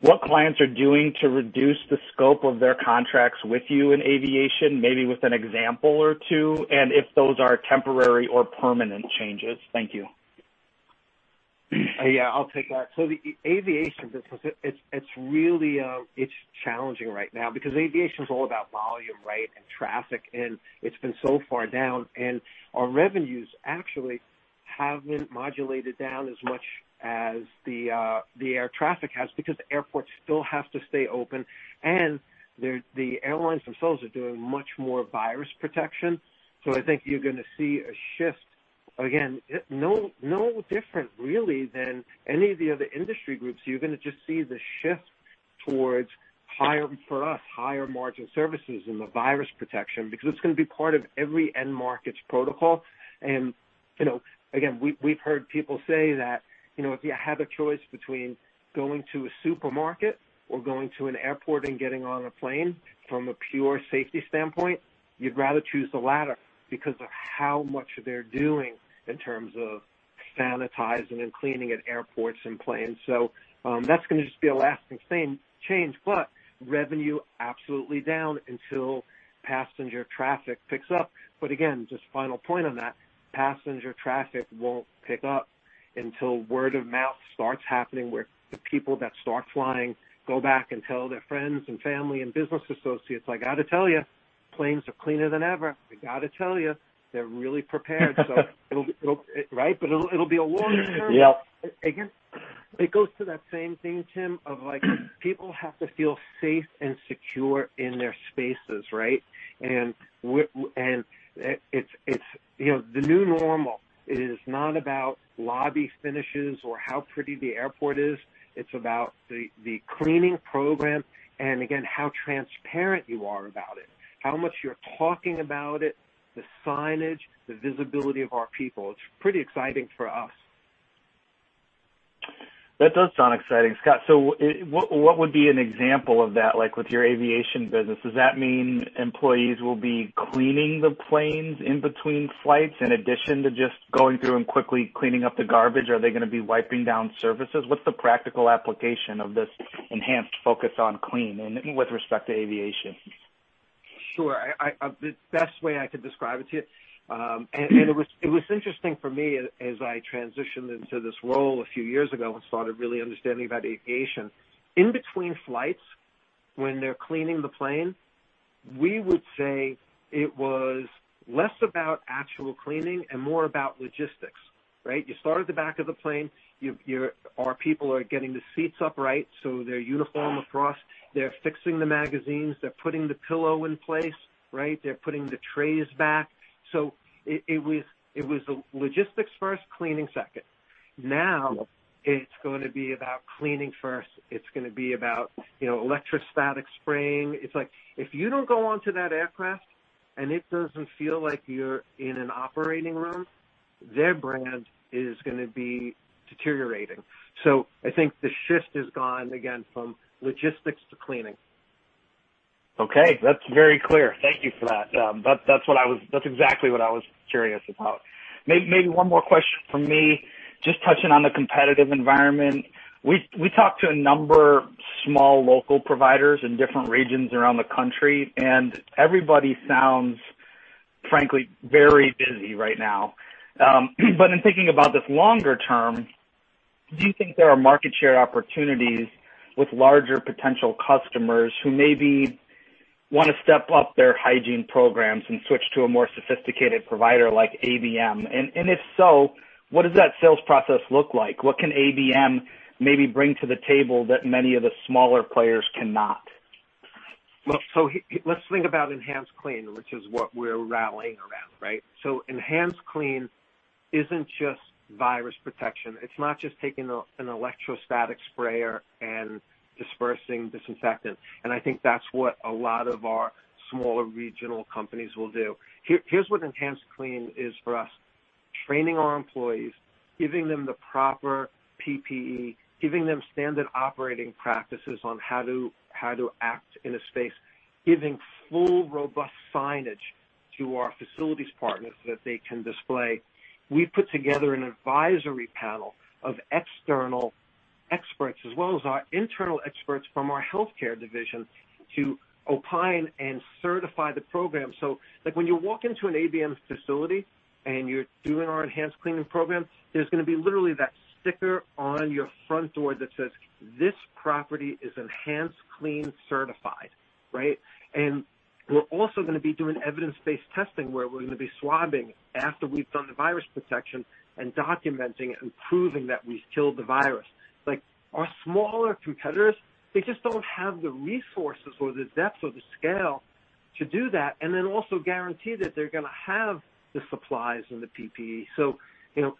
What clients are doing to reduce the scope of their contracts with you in aviation, maybe with an example or two, and if those are temporary or permanent changes? Thank you. I'll take that. The aviation business, it's challenging right now because aviation's all about volume, right? Traffic. It's been so far down, and our revenues actually haven't modulated down as much as the air traffic has because airports still have to stay open. The airlines themselves are doing much more virus protection. I think you're going to see a shift. Again, no different, really, than any of the other industry groups. You're going to just see the shift towards, for us, higher margin services in the virus protection, because it's going to be part of every end market's protocol. Again, we've heard people say that if you have a choice between going to a supermarket or going to an airport and getting on a plane, from a pure safety standpoint, you'd rather choose the latter because of how much they're doing in terms of sanitizing and cleaning at airports and planes. That's going to just be a lasting change. Revenue, absolutely down until passenger traffic picks up. Again, just a final point on that, passenger traffic won't pick up until word of mouth starts happening, where the people that start flying go back and tell their friends and family and business associates, "I got to tell you, planes are cleaner than ever. I got to tell you, they're really prepared." Right. It'll be a longer-term. Yep. It goes to that same thing, Tim, of, like, people have to feel safe and secure in their spaces, right? The new normal is not about lobby finishes or how pretty the airport is. It's about the cleaning program and, again, how transparent you are about it, how much you're talking about it, the signage, the visibility of our people. It's pretty exciting for us. That does sound exciting, Scott. What would be an example of that, like with your aviation business? Does that mean employees will be cleaning the planes in between flights in addition to just going through and quickly cleaning up the garbage? Are they going to be wiping down surfaces? What's the practical application of this enhanced focus on clean with respect to aviation? Sure. The best way I could describe it to you, it was interesting for me as I transitioned into this role a few years ago and started really understanding about aviation. In between flights, when they're cleaning the plane, we would say it was less about actual cleaning and more about logistics, right? You start at the back of the plane. Our people are getting the seats upright, so they're uniform across. They're fixing the magazines. They're putting the pillow in place, right? They're putting the trays back. It was logistics first, cleaning second. Now, it's going to be about cleaning first. It's going to be about electrostatic spraying. It's like, if you don't go onto that aircraft and it doesn't feel like you're in an operating room, their brand is going to be deteriorating. I think the shift has gone, again, from logistics to cleaning. Okay. That's very clear. Thank you for that. That's exactly what I was curious about. Maybe one more question from me, just touching on the competitive environment. We talked to a number of small local providers in different regions around the country, and everybody sounds, frankly, very busy right now. In thinking about this longer term, do you think there are market share opportunities with larger potential customers who maybe want to step up their hygiene programs and switch to a more sophisticated provider like ABM? If so, what does that sales process look like? What can ABM maybe bring to the table that many of the smaller players cannot? Let's think about EnhancedClean, which is what we're rallying around, right? EnhancedClean isn't just virus protection. It's not just taking an electrostatic sprayer and dispersing disinfectant. I think that's what a lot of our smaller regional companies will do. Here's what EnhancedClean is for us. Training our employees, giving them the proper PPE, giving them standard operating practices on how to act in a space, giving full, robust signage to our facilities partners that they can display. We've put together an advisory panel of external experts, as well as our internal experts from our healthcare division, to opine and certify the program. Like, when you walk into an ABM facility and you're doing our EnhancedClean program, there's going to be literally that sticker on your front door that says, "This property is EnhancedClean certified." Right? We're also going to be doing evidence-based testing where we're going to be swabbing after we've done the virus protection and documenting it and proving that we've killed the virus. Like, our smaller competitors, they just don't have the resources or the depth or the scale to do that, and then also guarantee that they're going to have the supplies and the PPE.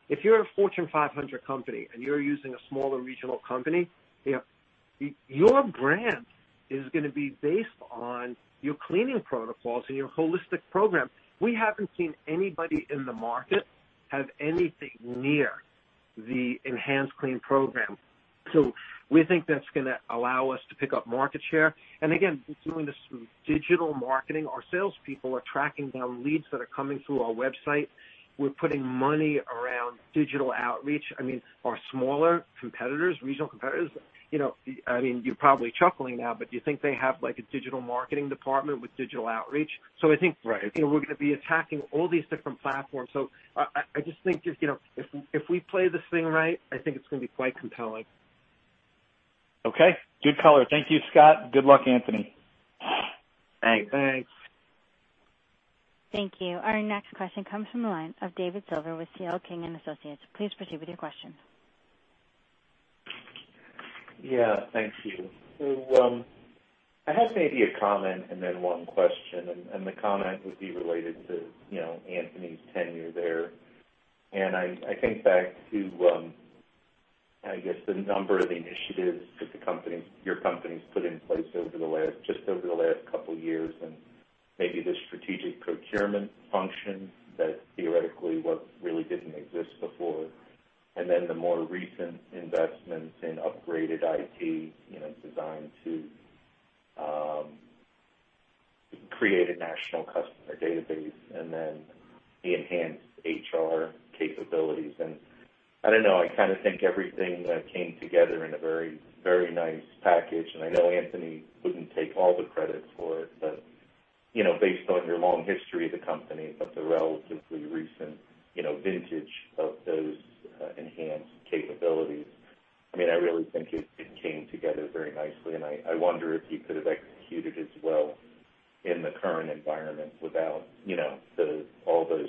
If you're a Fortune 500 company and you're using a smaller regional company, your brand is going to be based on your cleaning protocols and your holistic program. We haven't seen anybody in the market have anything near The EnhancedClean program. We think that's going to allow us to pick up market share. Again, doing this through digital marketing, our salespeople are tracking down leads that are coming through our website. We're putting money around digital outreach. Our smaller competitors, regional competitors, you're probably chuckling now, but do you think they have a digital marketing department with digital outreach? Right. We're going to be attacking all these different platforms. I just think if we play this thing right, I think it's going to be quite compelling. Okay. Good color. Thank you, Scott. Good luck, Anthony. Thanks. Thanks. Thank you. Our next question comes from the line of David Silver with C.L. King & Associates. Please proceed with your question. Yeah, thank you. I had maybe a comment and then one question, and the comment would be related to Anthony's tenure there. I think back to, I guess, the number of initiatives that your company's put in place just over the last couple of years, and maybe the strategic procurement function that theoretically what really didn't exist before, and then the more recent investments in upgraded IT designed to create a national customer database and then the enhanced HR capabilities. I don't know, I think everything came together in a very nice package, and I know Anthony wouldn't take all the credit for it. Based on your long history of the company, but the relatively recent vintage of those enhanced capabilities, I really think it came together very nicely, and I wonder if you could have executed as well in the current environment without all those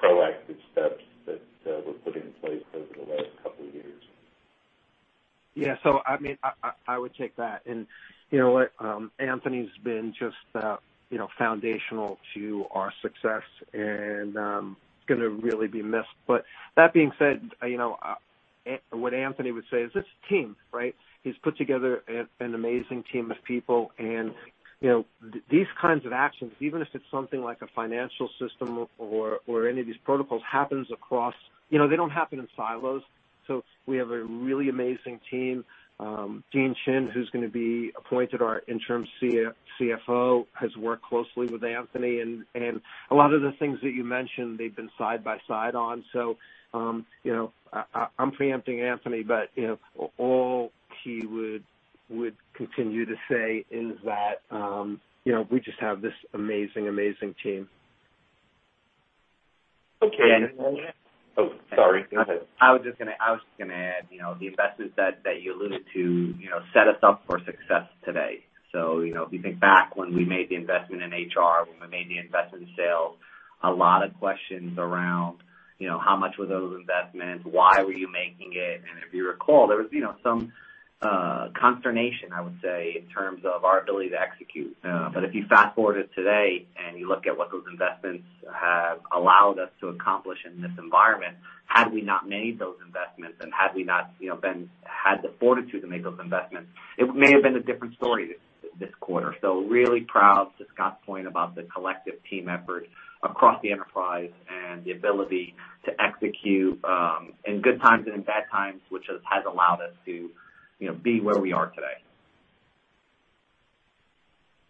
proactive steps that were put in place over the last couple of years. Yeah. I would take that. You know what? Anthony's been just foundational to our success and is going to really be missed. That being said, what Anthony would say is, "It's the team." He's put together an amazing team of people. These kinds of actions, even if it's something like a financial system or any of these protocols, they don't happen in silos. We have a really amazing team. Dean Chin, who's going to be appointed our interim CFO, has worked closely with Anthony. A lot of the things that you mentioned, they've been side by side on. I'm preempting Anthony. All he would continue to say is that we just have this amazing team. Okay. Oh, sorry. Go ahead. I was just going to add, the investments that you alluded to set us up for success today. If you think back when we made the investment in HR, when we made the investment in sales, a lot of questions around how much were those investments? Why were you making it? If you recall, there was some consternation, I would say, in terms of our ability to execute. If you fast forward it today and you look at what those investments have allowed us to accomplish in this environment, had we not made those investments and had we not had the fortitude to make those investments, it may have been a different story this quarter. Really proud, to Scott's point, about the collective team effort across the enterprise and the ability to execute in good times and in bad times, which has allowed us to be where we are today.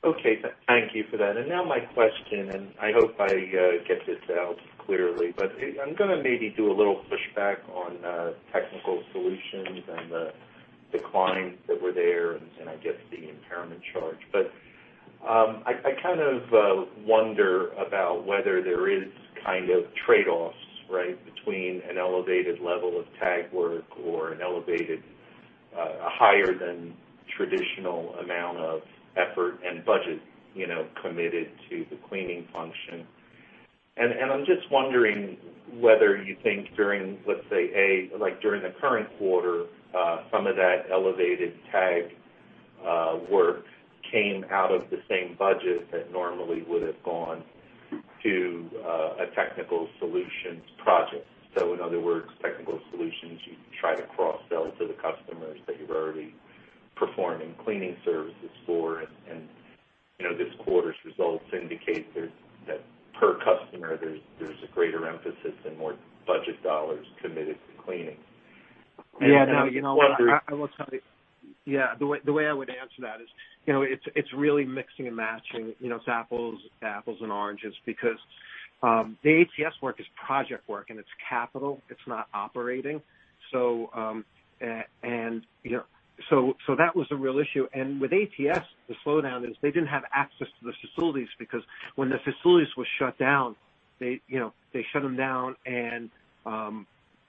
Okay. Thank you for that. Now my question, I hope I get this out clearly, I'm going to maybe do a little pushback on Technical Solutions and the declines that were there and I guess the impairment charge. I wonder about whether there is trade-offs between an elevated level of tag work or an elevated higher than traditional amount of effort and budget committed to the cleaning function. I'm just wondering whether you think during the current quarter, some of that elevated tag work came out of the same budget that normally would have gone to a Technical Solutions project. In other words, Technical Solutions you try to cross-sell to the customers that you're already performing cleaning services for, and this quarter's results indicate that per customer, there's a greater emphasis and more budget dollars committed to cleaning. I wonder. Yeah. The way I would answer that is it's really mixing and matching. It's apples and oranges because the ATS work is project work, and it's capital. It's not operating. That was a real issue. With ATS, the slowdown is they didn't have access to the facilities because when the facilities were shut down, they shut them down, and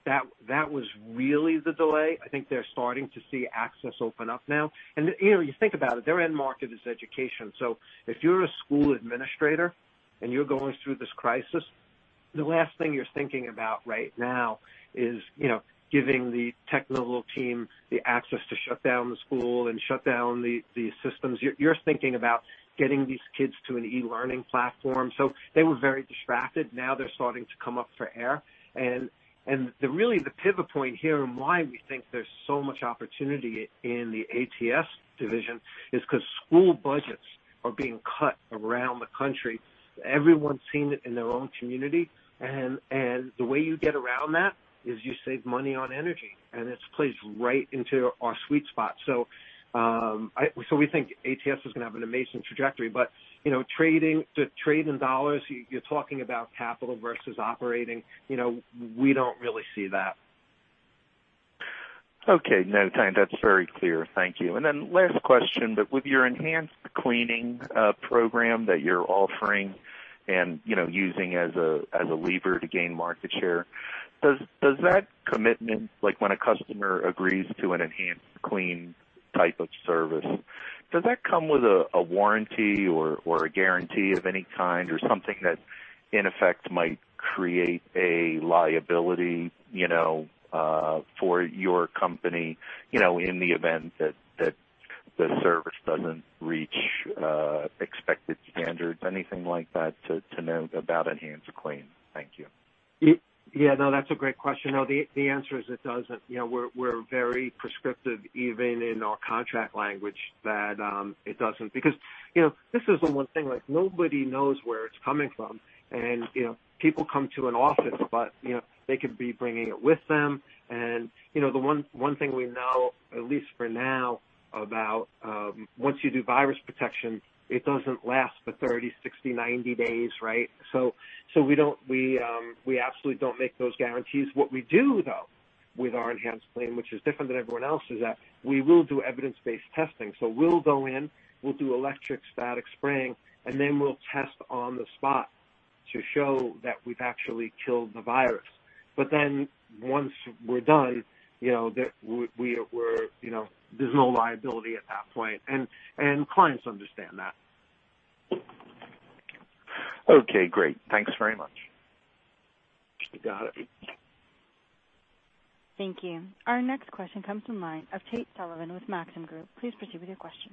that was really the delay. I think they're starting to see access open up now. You think about it, their end market is education. If you're a school administrator and you're going through this crisis, the last thing you're thinking about right now is giving the technical team the access to shut down the school and shut down the systems. You're thinking about getting these kids to an e-learning platform. They were very distracted. Now they're starting to come up for air. Really the pivot point here and why we think there's so much opportunity in the ATS division is because school budgets are being cut around the country. Everyone's seen it in their own community. The way you get around that is you save money on energy, and it plays right into our sweet spot. We think ATS is going to have an amazing trajectory. The trade in dollars, you're talking about capital versus operating. We don't really see that. Okay. No, that's very clear. Thank you. Last question, with your EnhancedClean program that you're offering and using as a lever to gain market share, does that commitment, like when a customer agrees to an EnhancedClean type of service, does that come with a warranty or a guarantee of any kind or something that in effect might create a liability for your company in the event that the service doesn't reach expected standards? Anything like that to know about EnhancedClean? Thank you. Yeah. That's a great question. The answer is it doesn't. We're very prescriptive, even in our contract language, that it doesn't. This is the one thing, nobody knows where it's coming from, and people come to an office, but they could be bringing it with them. The one thing we know, at least for now, about once you do virus protection, it doesn't last for 30, 60, 90 days. Right? We absolutely don't make those guarantees. What we do, though, with our EnhancedClean, which is different than everyone else, is that we will do evidence-based testing. We'll go in, we'll do electrostatic spraying, and then we'll test on the spot to show that we've actually killed the virus. Once we're done, there's no liability at that point. Clients understand that. Okay, great. Thanks very much. You got it. Thank you. Our next question comes from the line of Tate Sullivan with Maxim Group. Please proceed with your question.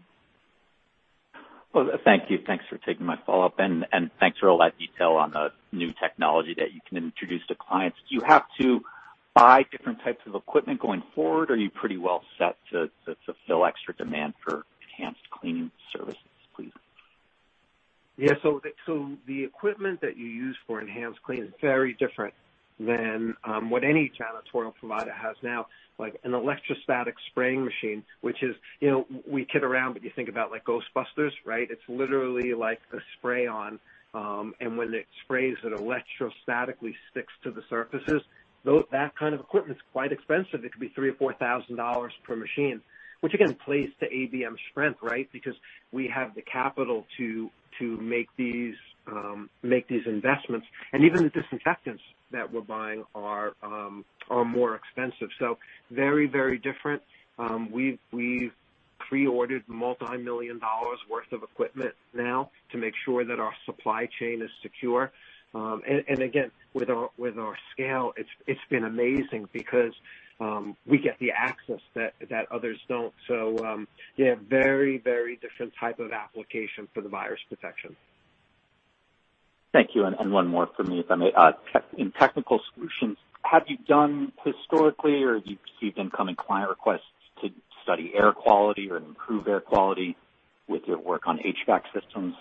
Well, thank you. Thanks for taking my follow-up, and thanks for all that detail on the new technology that you can introduce to clients. Do you have to buy different types of equipment going forward, or are you pretty well set to fulfill extra demand for enhanced cleaning services, please? The equipment that you use for EnhancedClean is very different than what any janitorial provider has now. An electrostatic spraying machine, which is, we kid around, but you think about Ghostbusters. It's literally a spray-on, and when it sprays, it electrostatically sticks to the surfaces. That kind of equipment's quite expensive. It could be $3,000 or $4,000 per machine, which, again, plays to ABM's strength. We have the capital to make these investments. Even the disinfectants that we're buying are more expensive. Very different. We've pre-ordered multi-million dollars worth of equipment now to make sure that our supply chain is secure. Again, with our scale, it's been amazing because we get the access that others don't. Very different type of application for the virus protection. Thank you. One more for me, if I may. In technical solutions, have you done historically, or have you received incoming client requests to study air quality or improve air quality with your work on HVAC systems?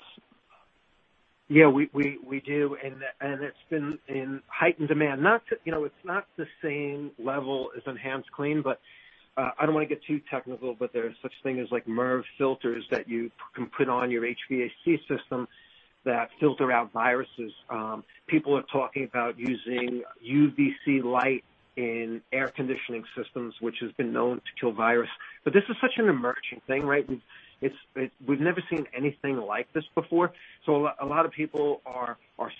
Yeah, we do. It's been in heightened demand. It's not the same level as EnhancedClean, but I don't want to get too technical, but there are such things as MERV filters that you can put on your HVAC system that filter out viruses. People are talking about using UVC light in air conditioning systems, which has been known to kill virus. This is such an emerging thing, right? We've never seen anything like this before. A lot of people are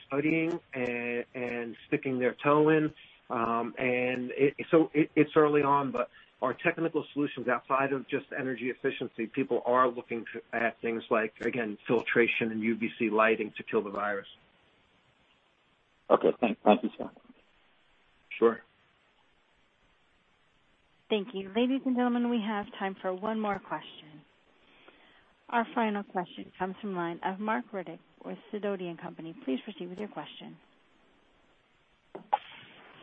studying and sticking their toe in. It's early on, but our technical solutions, outside of just energy efficiency, people are looking at things like, again, filtration and UVC lighting to kill the virus. Okay. Thanks, Scott. Sure. Thank you. Ladies and gentlemen, we have time for one more question. Our final question comes from the line of Marc Riddick with Sidoti & Company. Please proceed with your question.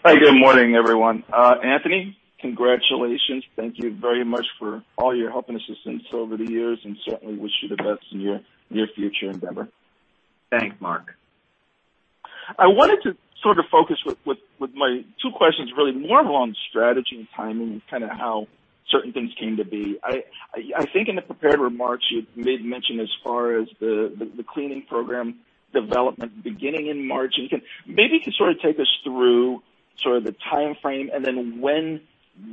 Hi. Good morning, everyone. Anthony, congratulations. Thank you very much for all your help and assistance over the years. Certainly wish you the best in your future endeavor. Thanks, Marc. I wanted to sort of focus with my two questions really more along strategy and timing and kind of how certain things came to be. I think in the prepared remarks you had made mention as far as the cleaning program development beginning in March. Maybe you could sort of take us through sort of the timeframe and then when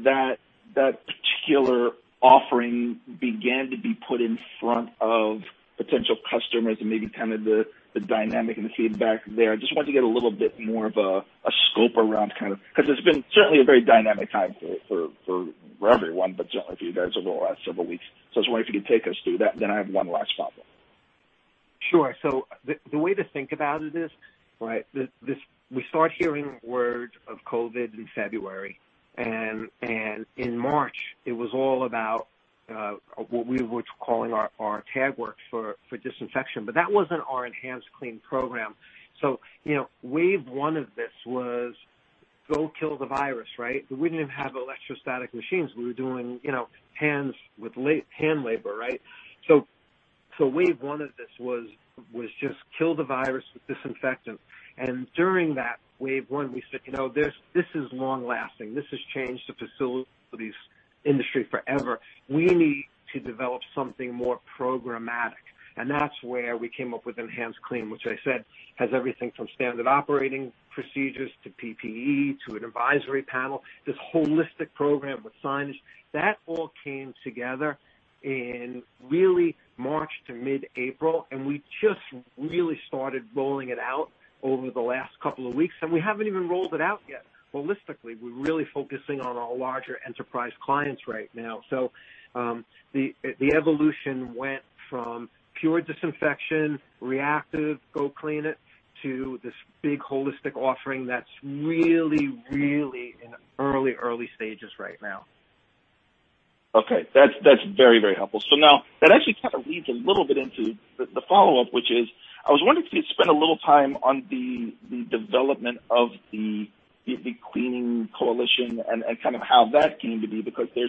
that particular offering began to be put in front of potential customers and maybe kind of the dynamic and the feedback there. I just wanted to get a little bit more of a scope around. Because it's been certainly a very dynamic time for everyone, but certainly for you guys over the last several weeks. I was wondering if you could take us through that. I have one last follow-up. Sure. The way to think about it is, we start hearing word of COVID-19 in February, and in March, it was all about what we were calling our tag work for disinfection. That wasn't our EnhancedClean program. Wave 1 of this was go kill the virus, right? We didn't even have electrostatic machines. We were doing hands with hand labor. Right? Wave 1 of this was just kill the virus with disinfectant. During that wave 1, we said, "This is long-lasting. This has changed the facilities industry forever. We need to develop something more programmatic." That's where we came up with EnhancedClean, which I said has everything from standard operating procedures to PPE to an advisory panel. This holistic program with signage. That all came together in really March to mid-April, and we just really started rolling it out over the last couple of weeks. We haven't even rolled it out yet holistically. We're really focusing on our larger enterprise clients right now. The evolution went from pure disinfection, reactive, go clean it, to this big holistic offering that's really in the early stages right now. Okay. That's very helpful. Now, that actually kind of leads a little bit into the follow-up, which is, I was wondering if you'd spend a little time on the development of the Cleaning Coalition and kind of how that came to be, because there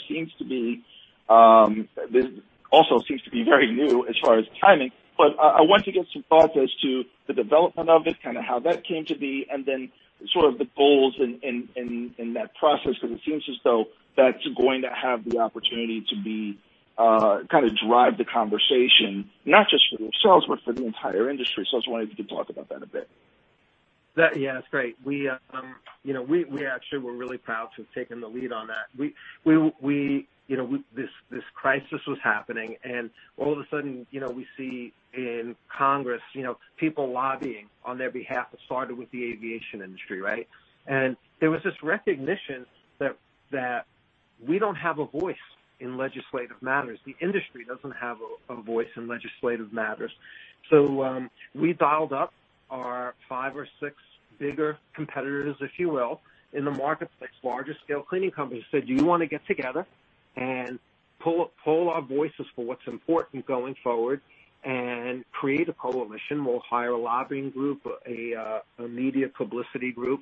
also seems to be very new as far as timing. I want to get your thoughts as to the development of it, kind of how that came to be, and then sort of the goals in that process. It seems as though that's going to have the opportunity to kind of drive the conversation, not just for themselves, but for the entire industry. I just wondered if you could talk about that a bit. That's great. We actually were really proud to have taken the lead on that. This crisis was happening, all of a sudden, we see in Congress, people lobbying on their behalf. It started with the aviation industry, right? There was this recognition that we don't have a voice in legislative matters. The industry doesn't have a voice in legislative matters. We dialed up our five or six bigger competitors, if you will, in the marketplace, larger scale cleaning companies. Said, "Do you want to get together and pool our voices for what's important going forward and create a coalition? We'll hire a lobbying group, a media publicity group,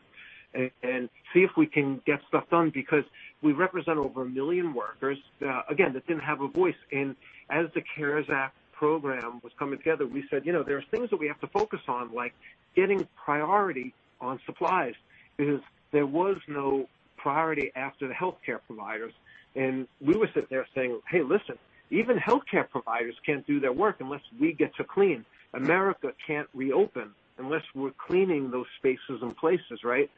and see if we can get stuff done." We represent over 1 million workers, again, that didn't have a voice. As the CARES Act program was coming together, we said there are things that we have to focus on, like getting priority on supplies, because there was no priority after the healthcare providers. We would sit there saying, "Hey, listen, even healthcare providers can't do their work unless we get to clean. America can't reopen unless we're cleaning those spaces and places, right?"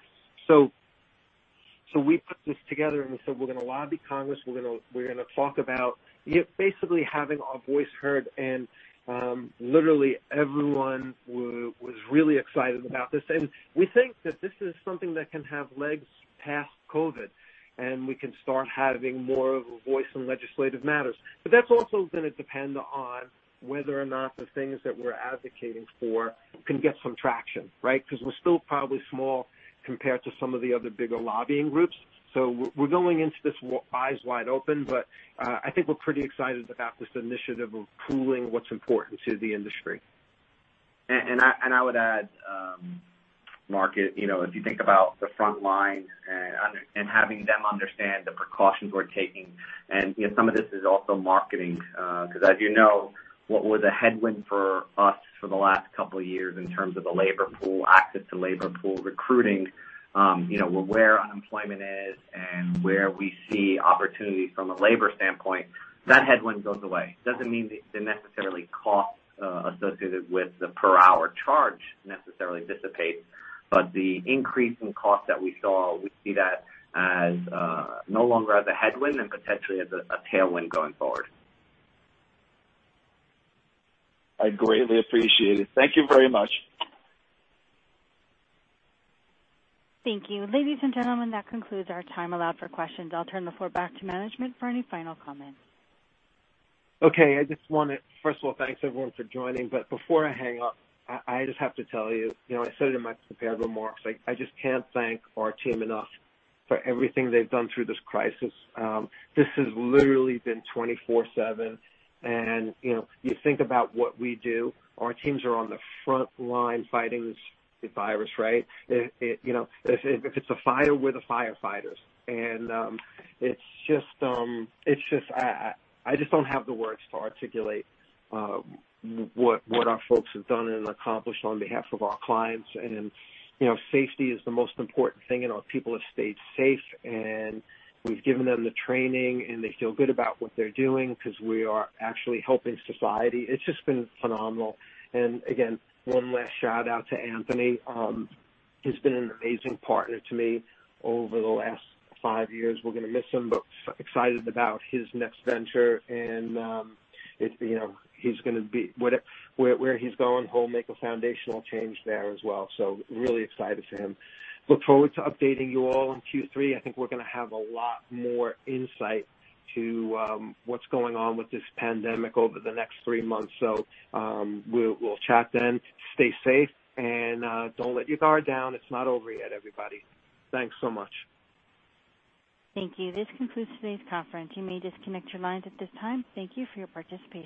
We put this together, and we said, we're going to lobby Congress. We're going to talk about basically having our voice heard. Literally everyone was really excited about this. We think that this is something that can have legs past COVID, and we can start having more of a voice in legislative matters. That's also going to depend on whether or not the things that we're advocating for can get some traction, right? Because we're still probably small compared to some of the other bigger lobbying groups. We're going into this eyes wide open, but I think we're pretty excited about this initiative of pooling what's important to the industry. I would add, Marc, if you think about the front line and having them understand the precautions we're taking, and some of this is also marketing, because as you know, what was a headwind for us for the last couple of years in terms of the labor pool, access to labor pool, recruiting, where unemployment is and where we see opportunities from a labor standpoint, that headwind goes away. Doesn't mean the necessarily costs associated with the per hour charge necessarily dissipate, but the increase in cost that we saw, we see that as no longer as a headwind and potentially as a tailwind going forward. I greatly appreciate it. Thank you very much. Thank you. Ladies and gentlemen, that concludes our time allowed for questions. I'll turn the floor back to management for any final comments. Okay. First of all, thanks, everyone, for joining. Before I hang up, I just have to tell you, I said it in my prepared remarks, I just can't thank our team enough for everything they've done through this crisis. This has literally been twenty-four/seven. You think about what we do, our teams are on the front line fighting this virus, right? If it's a fire, we're the firefighters. I just don't have the words to articulate what our folks have done and accomplished on behalf of our clients. Safety is the most important thing, and our people have stayed safe, and we've given them the training, and they feel good about what they're doing because we are actually helping society. It's just been phenomenal. Again, one last shout-out to Anthony. He's been an amazing partner to me over the last five years. We're going to miss him, excited about his next venture. Where he's going, he'll make a foundational change there as well. Really excited for him. Look forward to updating you all in Q3. I think we're going to have a lot more insight to what's going on with this pandemic over the next three months. We'll chat then. Stay safe, don't let your guard down. It's not over yet, everybody. Thanks so much. Thank you. This concludes today's conference. You may disconnect your lines at this time. Thank you for your participation.